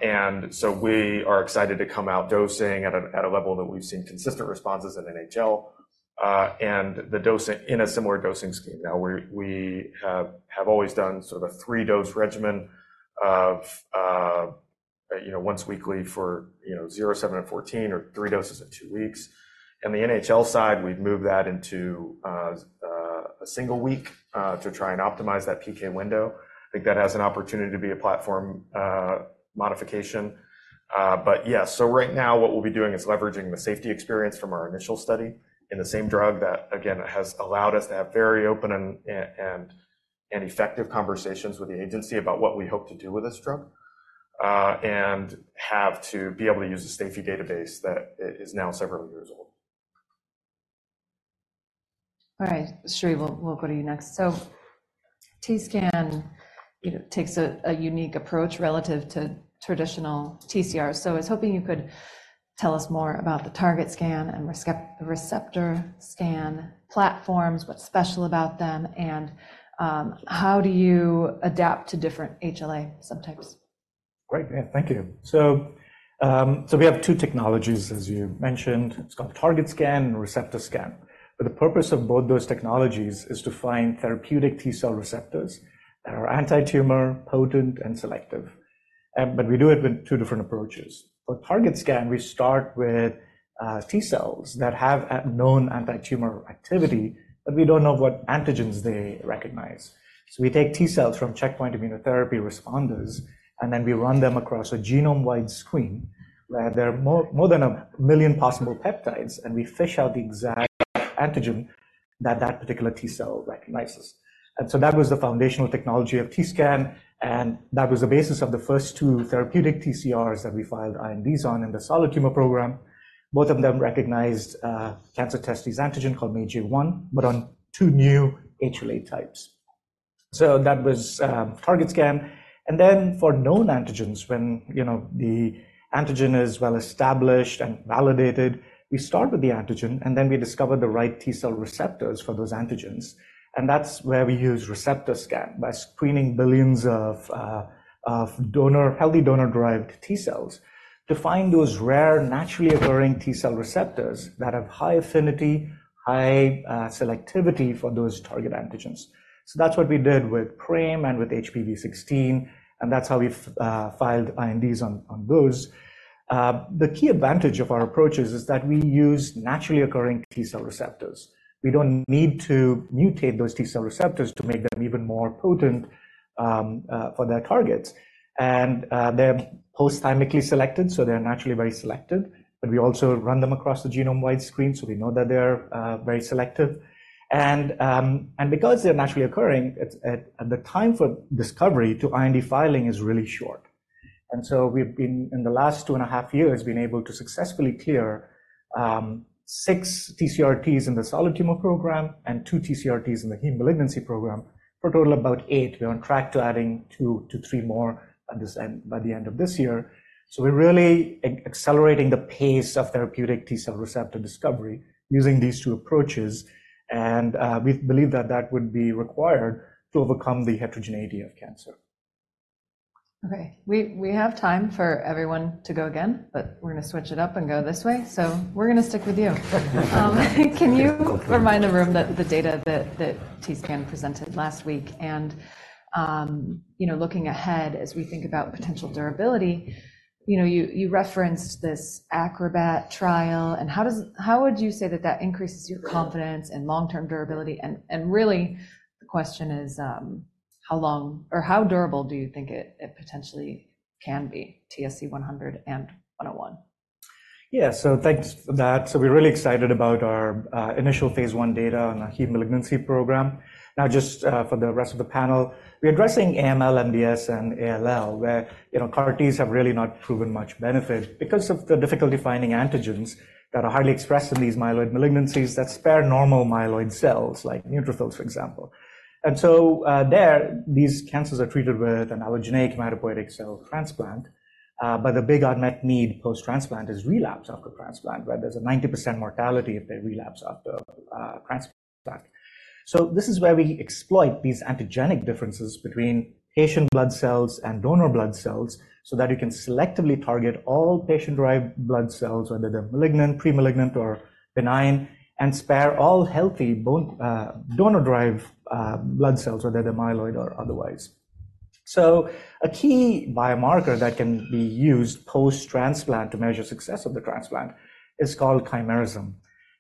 And so we are excited to come out dosing at a level that we've seen consistent responses in NHL, and the dosing in a similar dosing scheme. Now, we, we have, have always done sort of a three-dose regimen of, you know, once weekly for, you know, zeroo, seven and 14 or three doses in two weeks. In the NHL side, we've moved that into a single week to try and optimize that PK window. I think that has an opportunity to be a platform modification. But yeah, so right now, what we'll be doing is leveraging the safety experience from our initial study in the same drug that, again, has allowed us to have very open and effective conversations with the agency about what we hope to do with this drug, and have to be able to use a safety database that is now several years old. All right, Sri, we'll go to you next. So T-Scan, you know, takes a unique approach relative to traditional TCR. So I was hoping you could tell us more about the TargetScan and ReceptorScan platforms, what's special about them, and how do you adapt to different HLA subtypes? Great, yeah. Thank you. So we have two technologies, as you mentioned. It's called TargetScan and ReceptorScan. But the purpose of both those technologies is to find therapeutic T cell receptors that are antitumor, potent, and selective, but we do it with two different approaches. For TargetScan, we start with T cells that have a known antitumor activity, but we don't know what antigens they recognize. So we take T cells from checkpoint immunotherapy responders, and then we run them across a genome-wide screen, where there are more than a million possible peptides, and we fish out the exact antigen that that particular T cell recognizes. And so that was the foundational technology of T-Scan, and that was the basis of the first two therapeutic TCRs that we filed INDs on in the solid tumor program. Both of them recognized cancer testis antigen called MAGE-A1, but on two new HLA types. So that was TargetScan. And then for known antigens, when you know the antigen is well-established and validated, we start with the antigen, and then we discover the right T cell receptors for those antigens, and that's where we use ReceptorScan, by screening billions of healthy donor-derived T cells to find those rare, naturally occurring T cell receptors that have high affinity, high selectivity for those target antigens. So that's what we did with PRAME and with HPV16, and that's how we've filed INDs on those. The key advantage of our approach is that we use naturally occurring T cell receptors. We don't need to mutate those T cell receptors to make them even more potent for their targets. They're post-thymically selected, so they're naturally very selected, but we also run them across the genome-wide screen, so we know that they are very selective. And because they're naturally occurring, it's the time for discovery to IND filing is really short. And so we've been, in the last 2.5 years, been able to successfully clear six TCR-Ts in the solid tumor program and 2 TCR-Ts in the heme malignancy program, for a total of about eight. We're on track to adding two-three more by the end of this year. So we're really accelerating the pace of therapeutic T cell receptor discovery using these two approaches, and we believe that that would be required to overcome the heterogeneity of cancer. Okay. We have time for everyone to go again, but we're gonna switch it up and go this way. So we're gonna stick with you. Can you remind the room that the data that T-Scan presented last week, and, you know, looking ahead as we think about potential durability, you know, you referenced this ACROBAT trial, and how would you say that that increases your confidence in long-term durability? And, really, the question is, how long or how durable do you think it potentially can be, TSC-101? Yeah. So thanks for that. So we're really excited about our initial phase I data on the heme malignancy program. Now, just for the rest of the panel, we're addressing AML, MDS, and ALL, where, you know, CAR Ts have really not proven much benefit because of the difficulty finding antigens that are highly expressed in these myeloid malignancies that spare normal myeloid cells, like neutrophils, for example. And so there, these cancers are treated with an allogeneic hematopoietic cell transplant, but the big unmet need post-transplant is relapse after transplant, where there's a 90% mortality if they relapse after transplant. So this is where we exploit these antigenic differences between patient blood cells and donor blood cells so that we can selectively target all patient-derived blood cells, whether they're malignant, pre-malignant, or benign, and spare all healthy bone donor-derived blood cells, whether they're myeloid or otherwise. So a key biomarker that can be used post-transplant to measure success of the transplant is called chimerism,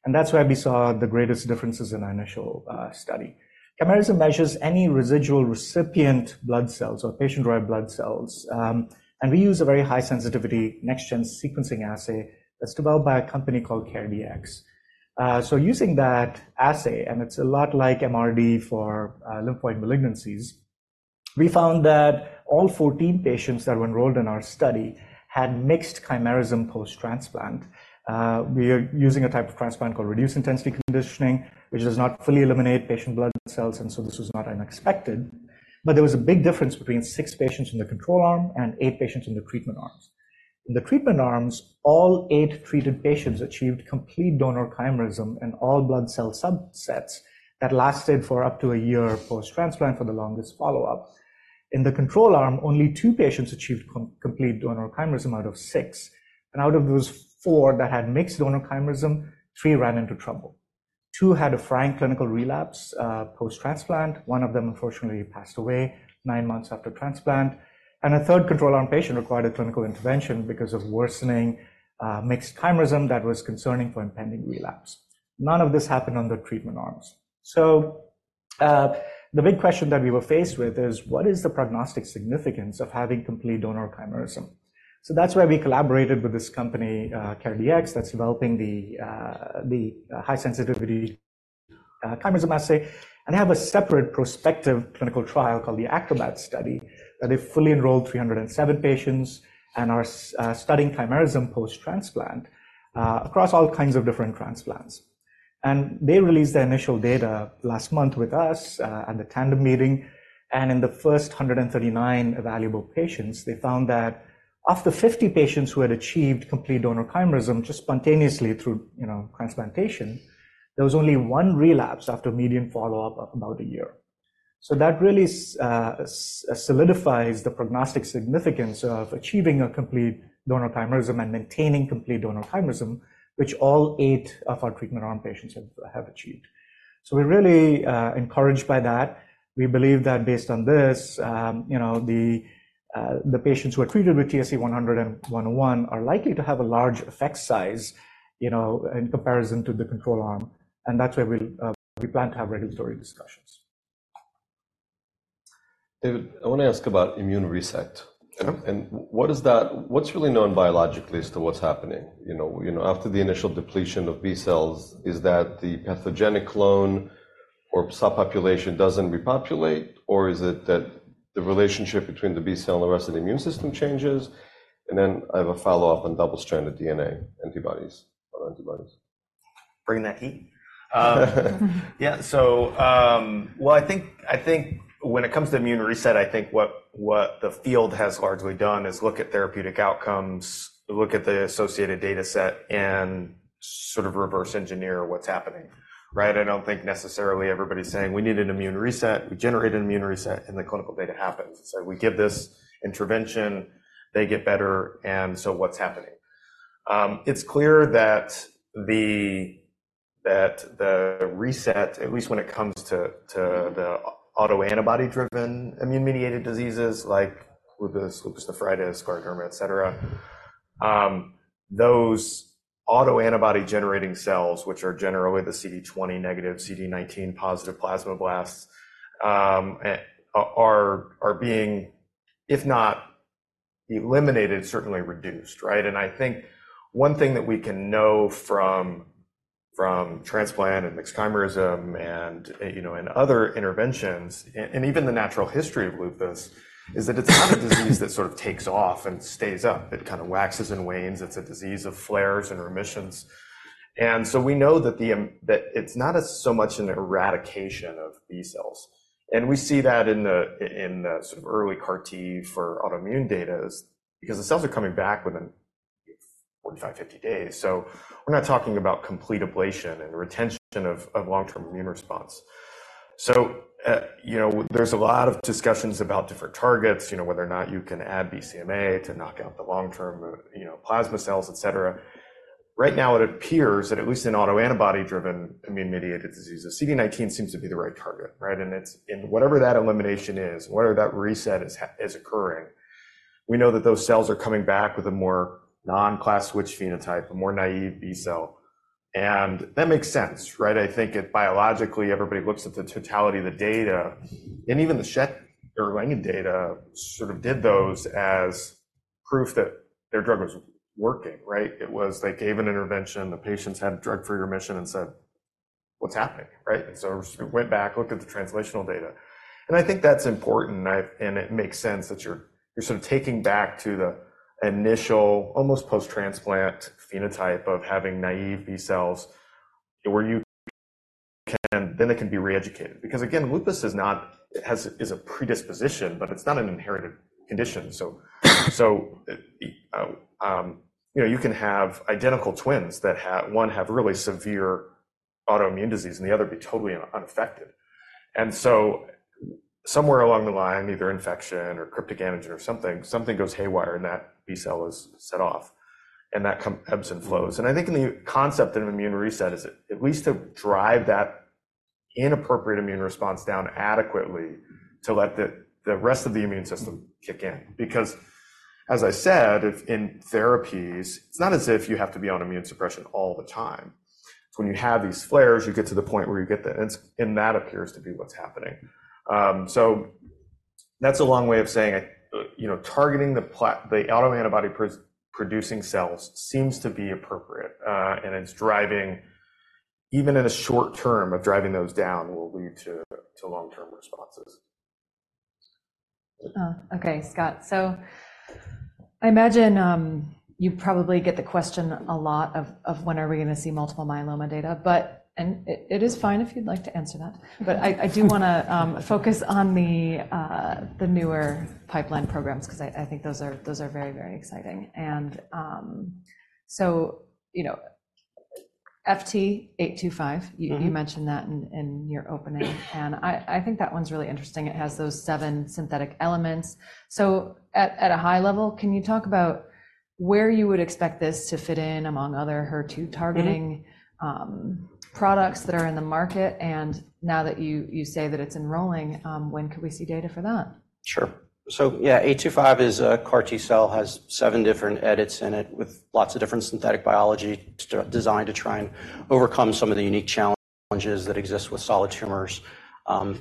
and that's where we saw the greatest differences in our initial study. Chimerism measures any residual recipient blood cells or patient-derived blood cells, and we use a very high sensitivity next-gen sequencing assay that's developed by a company called CareDx. So using that assay, and it's a lot like MRD for lymphoid malignancies, we found that all 14 patients that were enrolled in our study had mixed chimerism post-transplant. We are using a type of transplant called reduced intensity conditioning, which does not fully eliminate patient blood cells, and so this was not unexpected. But there was a big difference between six patients in the control arm and eight patients in the treatment arms. In the treatment arms, all eight treated patients achieved complete donor chimerism in all blood cell subsets that lasted for up to a year post-transplant for the longest follow-up. In the control arm, only two patients achieved complete donor chimerism out of six, and out of those four that had mixed donor chimerism, three ran into trouble. Two had a frank clinical relapse post-transplant. One of them, unfortunately, passed away nine months after transplant, and a third control arm patient required a clinical intervention because of worsening mixed chimerism that was concerning for impending relapse. None of this happened on the treatment arms. So, the big question that we were faced with is: What is the prognostic significance of having complete donor chimerism? So that's why we collaborated with this company, CareDX, that's developing the high sensitivity chimerism assay, and they have a separate prospective clinical trial called the ACROBAT Study, that they've fully enrolled 307 patients and are studying chimerism post-transplant, across all kinds of different transplants. And they released their initial data last month with us, at the Tandem meeting, and in the first 139 evaluable patients, they found that of the 50 patients who had achieved complete donor chimerism just spontaneously through, you know, transplantation, there was only one relapse after a median follow-up of about a year. So that really solidifies the prognostic significance of achieving a complete donor chimerism and maintaining complete donor chimerism, which all eight of our treatment arm patients have, have achieved. So we're really encouraged by that. We believe that based on this, you know, the patients who are treated with TSC-101 are likely to have a large effect size, you know, in comparison to the control arm, and that's where we plan to have regulatory discussions. ... David, I want to ask about immune reset. Sure. What is that? What's really known biologically as to what's happening? You know, you know, after the initial depletion of B cells, is that the pathogenic clone or subpopulation doesn't repopulate? Or is it that the relationship between the B cell and the rest of the immune system changes? And then I have a follow-up on double-stranded DNA antibodies or antibodies. Bringing that heat. Yeah, so, well, I think, I think when it comes to immune reset, I think what, what the field has largely done is look at therapeutic outcomes, look at the associated data set, and sort of reverse engineer what's happening, right? I don't think necessarily everybody's saying: We need an immune reset. We generate an immune reset, and the clinical data happens. So we give this intervention, they get better, and so what's happening? It's clear that the, that the reset, at least when it comes to, to the autoantibody-driven immune-mediated diseases like lupus, lupus nephritis, scleroderma, et cetera, those autoantibody-generating cells, which are generally the CD20 negative, CD19 positive plasmablasts, are being, if not eliminated, certainly reduced, right? I think one thing that we can know from transplant and mixed chimerism and, you know, other interventions, and even the natural history of lupus, is that it's not a disease that sort of takes off and stays up. It kind of waxes and wanes. It's a disease of flares and remissions. And so we know that it's not so much an eradication of B cells, and we see that in the sort of early CAR T for autoimmune data, because the cells are coming back within 45, 50 days. So we're not talking about complete ablation and retention of long-term immune response. So, you know, there's a lot of discussions about different targets, you know, whether or not you can add BCMA to knock out the long-term plasma cells, et cetera. Right now, it appears that at least in autoantibody-driven immune-mediated diseases, CD19 seems to be the right target, right? And it's whatever that elimination is, whatever that reset is occurring, we know that those cells are coming back with a more non-class switch phenotype, a more naive B cell. And that makes sense, right? I think if biologically everybody looks at the totality of the data, and even the Schett or Erlangen data sort of did those as proof that their drug was working, right? It was they gave an intervention, the patients had drug-free remission and said, "What's happening," right? So went back, looked at the translational data. And I think that's important, and it makes sense that you're, you're sort of taking back to the initial, almost post-transplant phenotype of having naive B cells, where you can... Then they can be re-educated. Because, again, lupus is not—it has—is a predisposition, but it's not an inherited condition. So, you know, you can have identical twins that one have really severe autoimmune disease and the other be totally unaffected. And so somewhere along the line, either infection or cryptogenically or something, something goes haywire, and that B cell is set off, and that ebbs and flows. And I think in the concept of immune reset is at least to drive that inappropriate immune response down adequately to let the rest of the immune system kick in. Because as I said, if in therapies, it's not as if you have to be on immune suppression all the time. It's when you have these flares, you get to the point where you get the... And that appears to be what's happening. So that's a long way of saying, you know, targeting the autoantibody producing cells seems to be appropriate, and it's driving even in a short term of driving those down will lead to long-term responses. Okay, Scott, so I imagine, you probably get the question a lot of, when are we gonna see multiple myeloma data, but... And it is fine if you'd like to answer that. But I do wanna focus on the newer pipeline programs, 'cause I think those are very, very exciting. And so, you know, FT825- Mm-hmm. You mentioned that in your opening, and I think that one's really interesting. It has those seven synthetic elements. So at a high level, can you talk about where you would expect this to fit in, among other HER2-targeting- Mm-hmm... products that are in the market? And now that you, you say that it's enrolling, when could we see data for that? Sure. So yeah, FT825 is a CAR T cell, has seven different edits in it, with lots of different synthetic biology designed to try and overcome some of the unique challenges that exist with solid tumors,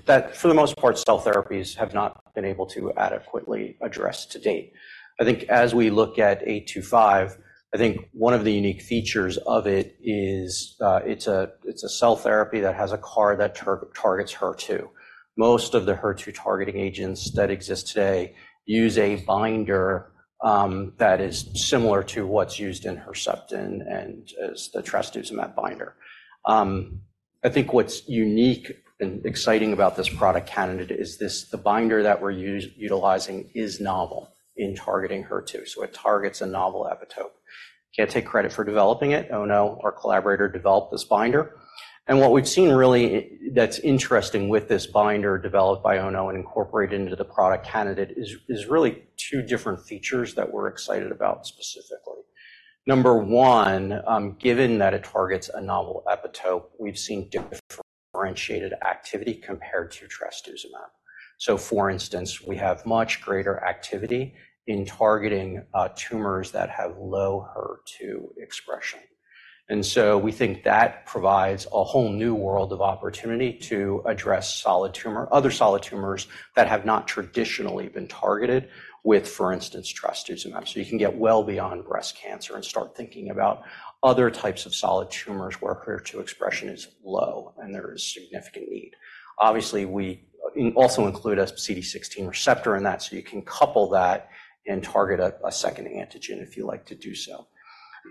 that for the most part, cell therapies have not been able to adequately address to date. I think as we look at FT825, I think one of the unique features of it is, it's a, it's a cell therapy that has a CAR that targets HER2. Most of the HER2-targeting agents that exist today use a binder, that is similar to what's used in Herceptin and is the trastuzumab binder. I think what's unique and exciting about this product candidate is this, the binder that we're utilizing is novel in targeting HER2, so it targets a novel epitope. Can't take credit for developing it. Ono, our collaborator, developed this binder, and what we've seen really that's interesting with this binder developed by Ono and incorporated into the product candidate is really two different features that we're excited about specifically. ...Number one, given that it targets a novel epitope, we've seen differentiated activity compared to trastuzumab. So for instance, we have much greater activity in targeting tumors that have low HER2 expression. And so we think that provides a whole new world of opportunity to address solid tumor - other solid tumors that have not traditionally been targeted with, for instance, trastuzumab. So you can get well beyond breast cancer and start thinking about other types of solid tumors where HER2 expression is low and there is significant need. Obviously, we also include a CD16 receptor in that, so you can couple that and target a second antigen if you like to do so.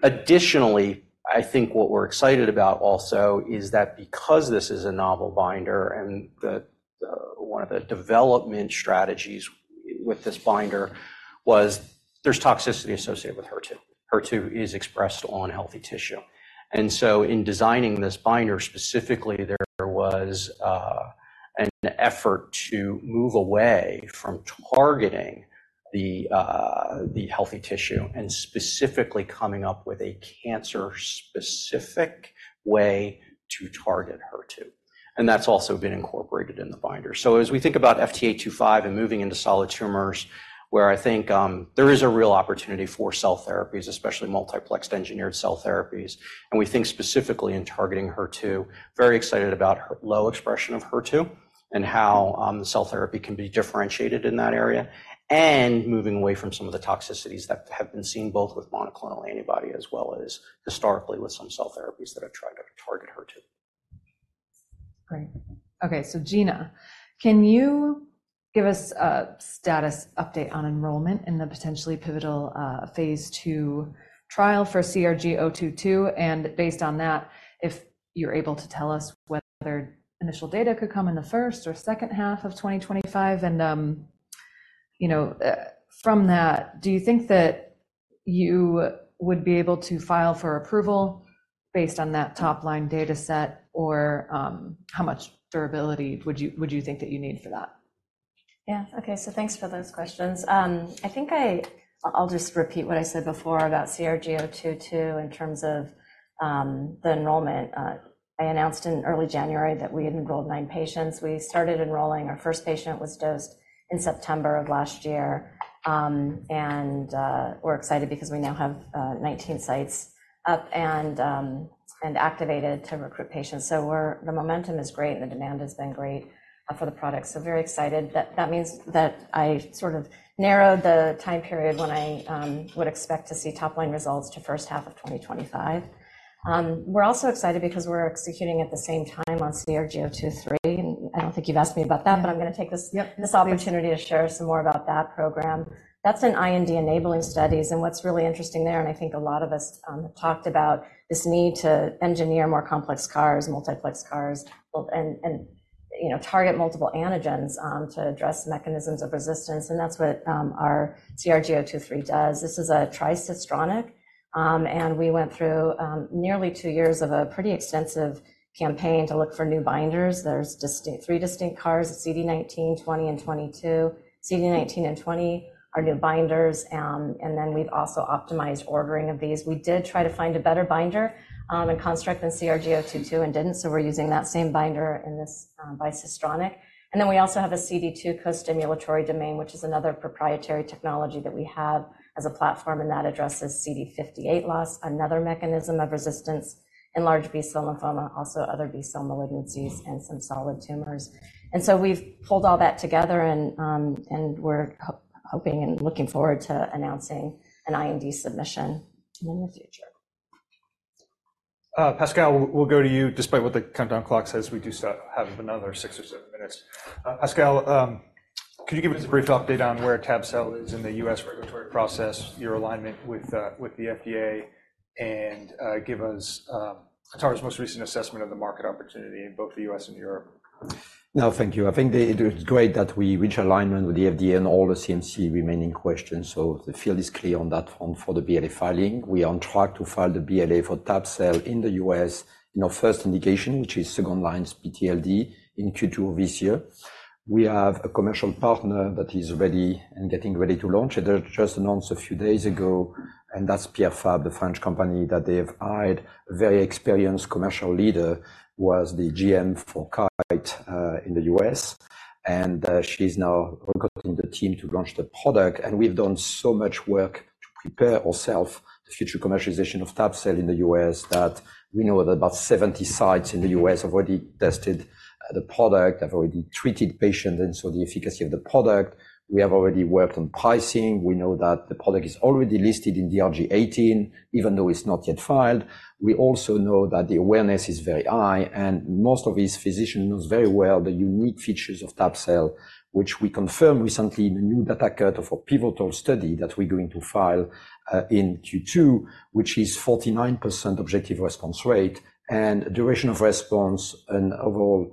Additionally, I think what we're excited about also is that because this is a novel binder and that one of the development strategies with this binder was there's toxicity associated with HER2. HER2 is expressed on healthy tissue. In designing this binder, specifically, there was an effort to move away from targeting the healthy tissue and specifically coming up with a cancer-specific way to target HER2, and that's also been incorporated in the binder. As we think about FT825 and moving into solid tumors, where I think there is a real opportunity for cell therapies, especially multiplexed engineered cell therapies, and we think specifically in targeting HER2, very excited about HER2-low expression of HER2 and how the cell therapy can be differentiated in that area, and moving away from some of the toxicities that have been seen, both with monoclonal antibody as well as historically with some cell therapies that have tried to target HER2. Great. Okay, so Gina, can you give us a status update on enrollment in the potentially pivotal phase II trial for CRG-022, and based on that, if you're able to tell us whether initial data could come in the first or second half of 2025? And, you know, from that, do you think that you would be able to file for approval based on that top-line data set, or, how much durability would you, would you think that you need for that? Yeah. Okay. So thanks for those questions. I think I'll just repeat what I said before about CRG-022 in terms of the enrollment. I announced in early January that we had enrolled nine patients. We started enrolling. Our first patient was dosed in September of last year. And we're excited because we now have 19 sites up and activated to recruit patients. So the momentum is great, and the demand has been great for the product. So very excited. That means that I sort of narrowed the time period when I would expect to see top-line results to first half of 2025. We're also excited because we're executing at the same time on CRG-023, and I don't think you've asked me about that, but I'm going to take this- Yep. This opportunity to share some more about that program. That's an IND-enabling studies, and what's really interesting there, and I think a lot of us talked about this need to engineer more complex CARs, multiplex CARs, and, and, you know, target multiple antigens to address mechanisms of resistance, and that's what our CRG-023 does. This is a tricistronic, and we went through nearly two years of a pretty extensive campaign to look for new binders. There's three distinct CARs, CD19, 20, and 22. CD19 and 20 are new binders, and then we've also optimized ordering of these. We did try to find a better binder and construct than CRG-022 and didn't, so we're using that same binder in this bicistronic. And then we also have a CD2 co-stimulatory domain, which is another proprietary technology that we have as a platform, and that addresses CD58 loss, another mechanism of resistance in large B-cell lymphoma, also other B-cell malignancies and some solid tumors. And so we've pulled all that together, and we're hoping and looking forward to announcing an IND submission in the near future. Pascal, we'll, we'll go to you. Despite what the countdown clock says, we do still have another six or seven minutes. Pascal, could you give us a brief update on where tab-cel is in the U.S. regulatory process, your alignment with, with the FDA, and, give us, Cowen's most recent assessment of the market opportunity in both the U.S. and Europe? Now, thank you. I think it is great that we reach alignment with the FDA and all the CMC remaining questions, so the field is clear on that front for the BLA filing. We are on track to file the BLA for tab-cel in the U.S. in our first indication, which is second-line PTLD, in Q2 of this year. We have a commercial partner that is ready and getting ready to launch. They just announced a few days ago, and that's Pierre Fabre, the French company, that they have hired a very experienced commercial leader, who was the GM for Kite, in the U.S., and, she's now recruiting the team to launch the product. We've done so much work to prepare ourselves for the future commercialization of tab-cel in the U.S., that we know that about 70 sites in the U.S. have already tested the product, have already treated patients, and so the efficacy of the product. We have already worked on pricing. We know that the product is already listed in DRG 18, even though it's not yet filed. We also know that the awareness is very high, and most of these physicians knows very well the unique features of tab-cel, which we confirmed recently in the new data cut of a pivotal study that we're going to file in Q2, which is 49% objective response rate and duration of response and overall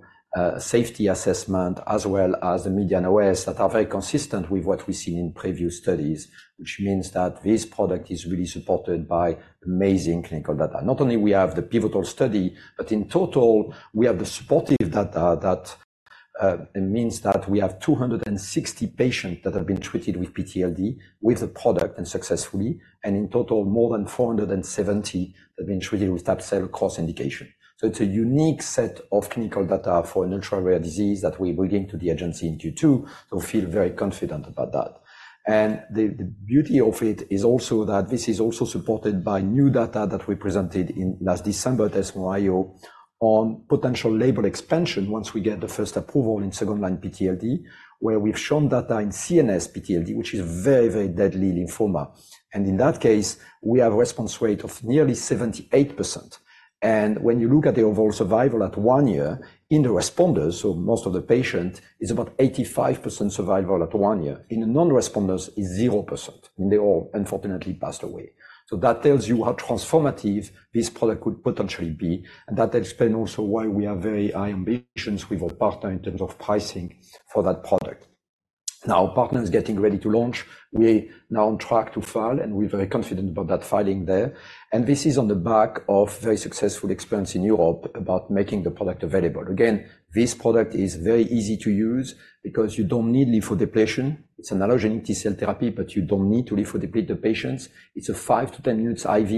safety assessment, as well as the median OS, that are very consistent with what we've seen in previous studies, which means that this product is really supported by amazing clinical data. Not only we have the pivotal study, but in total, we have the supportive data that-... it means that we have 260 patients that have been treated with PTLD, with the product, and successfully, and in total, more than 470 have been treated with tab-cel cross indication. So it's a unique set of clinical data for an ultra-rare disease that we bring to the agency in Q2, so feel very confident about that. And the beauty of it is also that this is also supported by new data that we presented in last December at ESMO IO on potential label expansion once we get the first approval in second-line PTLD, where we've shown data in CNS PTLD, which is a very, very deadly lymphoma. And in that case, we have a response rate of nearly 78%. When you look at the overall survival at one year in the responders, so most of the patients, is about 85% survival at one year. In the non-responders, it's 0%, and they all unfortunately passed away. So that tells you how transformative this product could potentially be, and that explains also why we have very high ambitions with our partner in terms of pricing for that product. Now, our partner is getting ready to launch. We are now on track to file, and we're very confident about that filing there. And this is on the back of very successful experience in Europe about making the product available. Again, this product is very easy to use because you don't need lymphodepletion. It's an allogeneic T-cell therapy, but you don't need to lymphodeplete the patients. It's a five-10 minutes IV.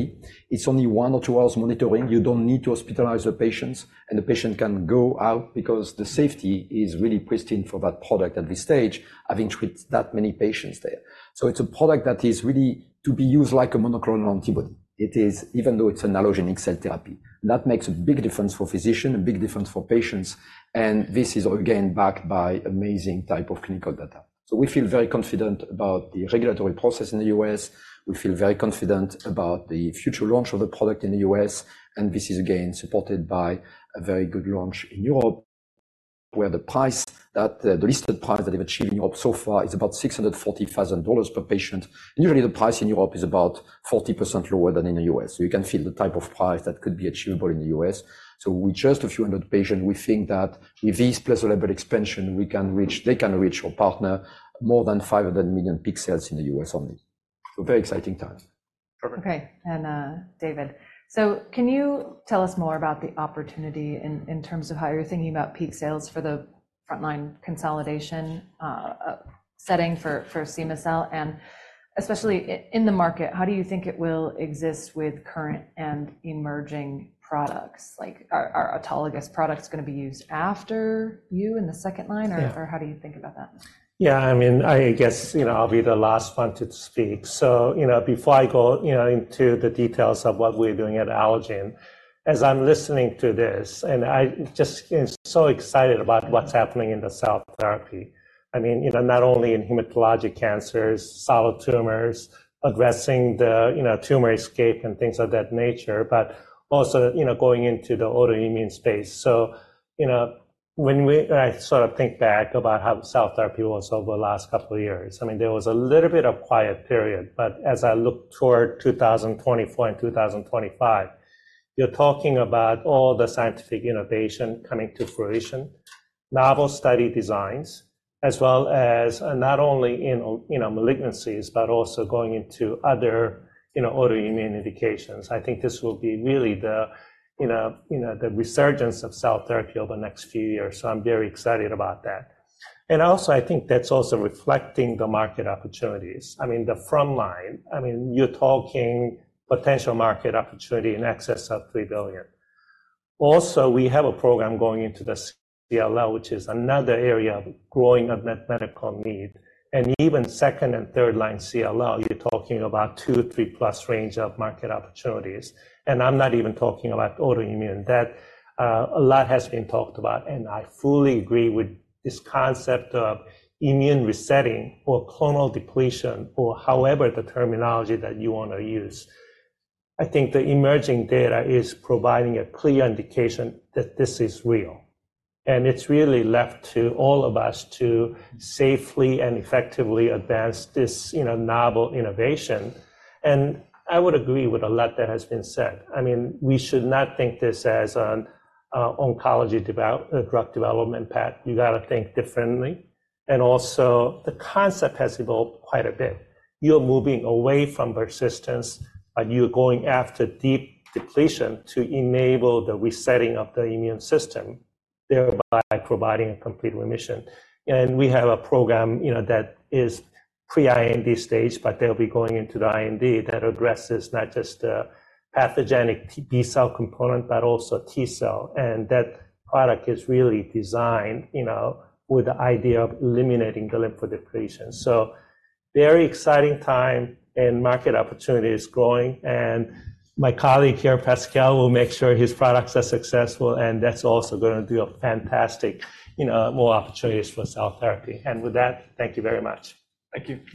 It's only one-two hours monitoring. You don't need to hospitalize the patients, and the patient can go out because the safety is really pristine for that product at this stage, having treated that many patients there. So it's a product that is really to be used like a monoclonal antibody. It is... Even though it's an allogeneic cell therapy, that makes a big difference for physician, a big difference for patients, and this is, again, backed by amazing type of clinical data. So we feel very confident about the regulatory process in the U.S. We feel very confident about the future launch of the product in the U.S., and this is again, supported by a very good launch in Europe, where the price that, the listed price that they've achieved in Europe so far is about $640,000 per patient. Usually, the price in Europe is about 40% lower than in the U.S., so you can feel the type of price that could be achievable in the U.S. So with just a few hundred patients, we think that with this plus label expansion, we can reach—they can reach, our partner, more than $500 million peak sales in the U.S. only. So very exciting times. Perfect. Okay, and, David, so can you tell us more about the opportunity in terms of how you're thinking about peak sales for the frontline consolidation setting for cema-cel? And especially in the market, how do you think it will exist with current and emerging products? Like, are autologous products gonna be used after you in the second line- Yeah. or how do you think about that? Yeah, I mean, I guess, you know, I'll be the last one to speak. So, you know, before I go, you know, into the details of what we're doing at Allogene, as I'm listening to this, and I just am so excited about what's happening in the cell therapy. I mean, you know, not only in hematologic cancers, solid tumors, addressing the, you know, tumor escape and things of that nature, but also, you know, going into the autoimmune space. So, you know, when we... I sort of think back about how cell therapy was over the last couple of years. I mean, there was a little bit of quiet period, but as I look toward 2024 and 2025, you're talking about all the scientific innovation coming to fruition, novel study designs, as well as not only in, you know, malignancies, but also going into other, you know, autoimmune indications. I think this will be really the, you know, you know, the resurgence of cell therapy over the next few years, so I'm very excited about that. Also, I think that's also reflecting the market opportunities. I mean, the frontline, I mean, you're talking potential market opportunity in excess of $3 billion. Also, we have a program going into the CLL, which is another area of growing unmet medical need. Even second and third line CLL, you're talking about two-three plus range of market opportunities. I'm not even talking about autoimmune. That, a lot has been talked about, and I fully agree with this concept of immune resetting or clonal depletion or however the terminology that you wanna use. I think the emerging data is providing a clear indication that this is real, and it's really left to all of us to safely and effectively advance this, you know, novel innovation. I would agree with a lot that has been said. I mean, we should not think this as an oncology drug development path. You gotta think differently. Also, the concept has evolved quite a bit. You're moving away from persistence, and you're going after deep depletion to enable the resetting of the immune system, thereby providing a complete remission. We have a program, you know, that is pre-IND stage, but they'll be going into the IND that addresses not just the pathogenic B-cell component, but also T-cell. And that product is really designed, you know, with the idea of eliminating the lymphodepletion. So very exciting time, and market opportunity is growing, and my colleague here, Pascal, will make sure his products are successful, and that's also gonna be a fantastic, you know, more opportunities for cell therapy. And with that, thank you very much. Thank you.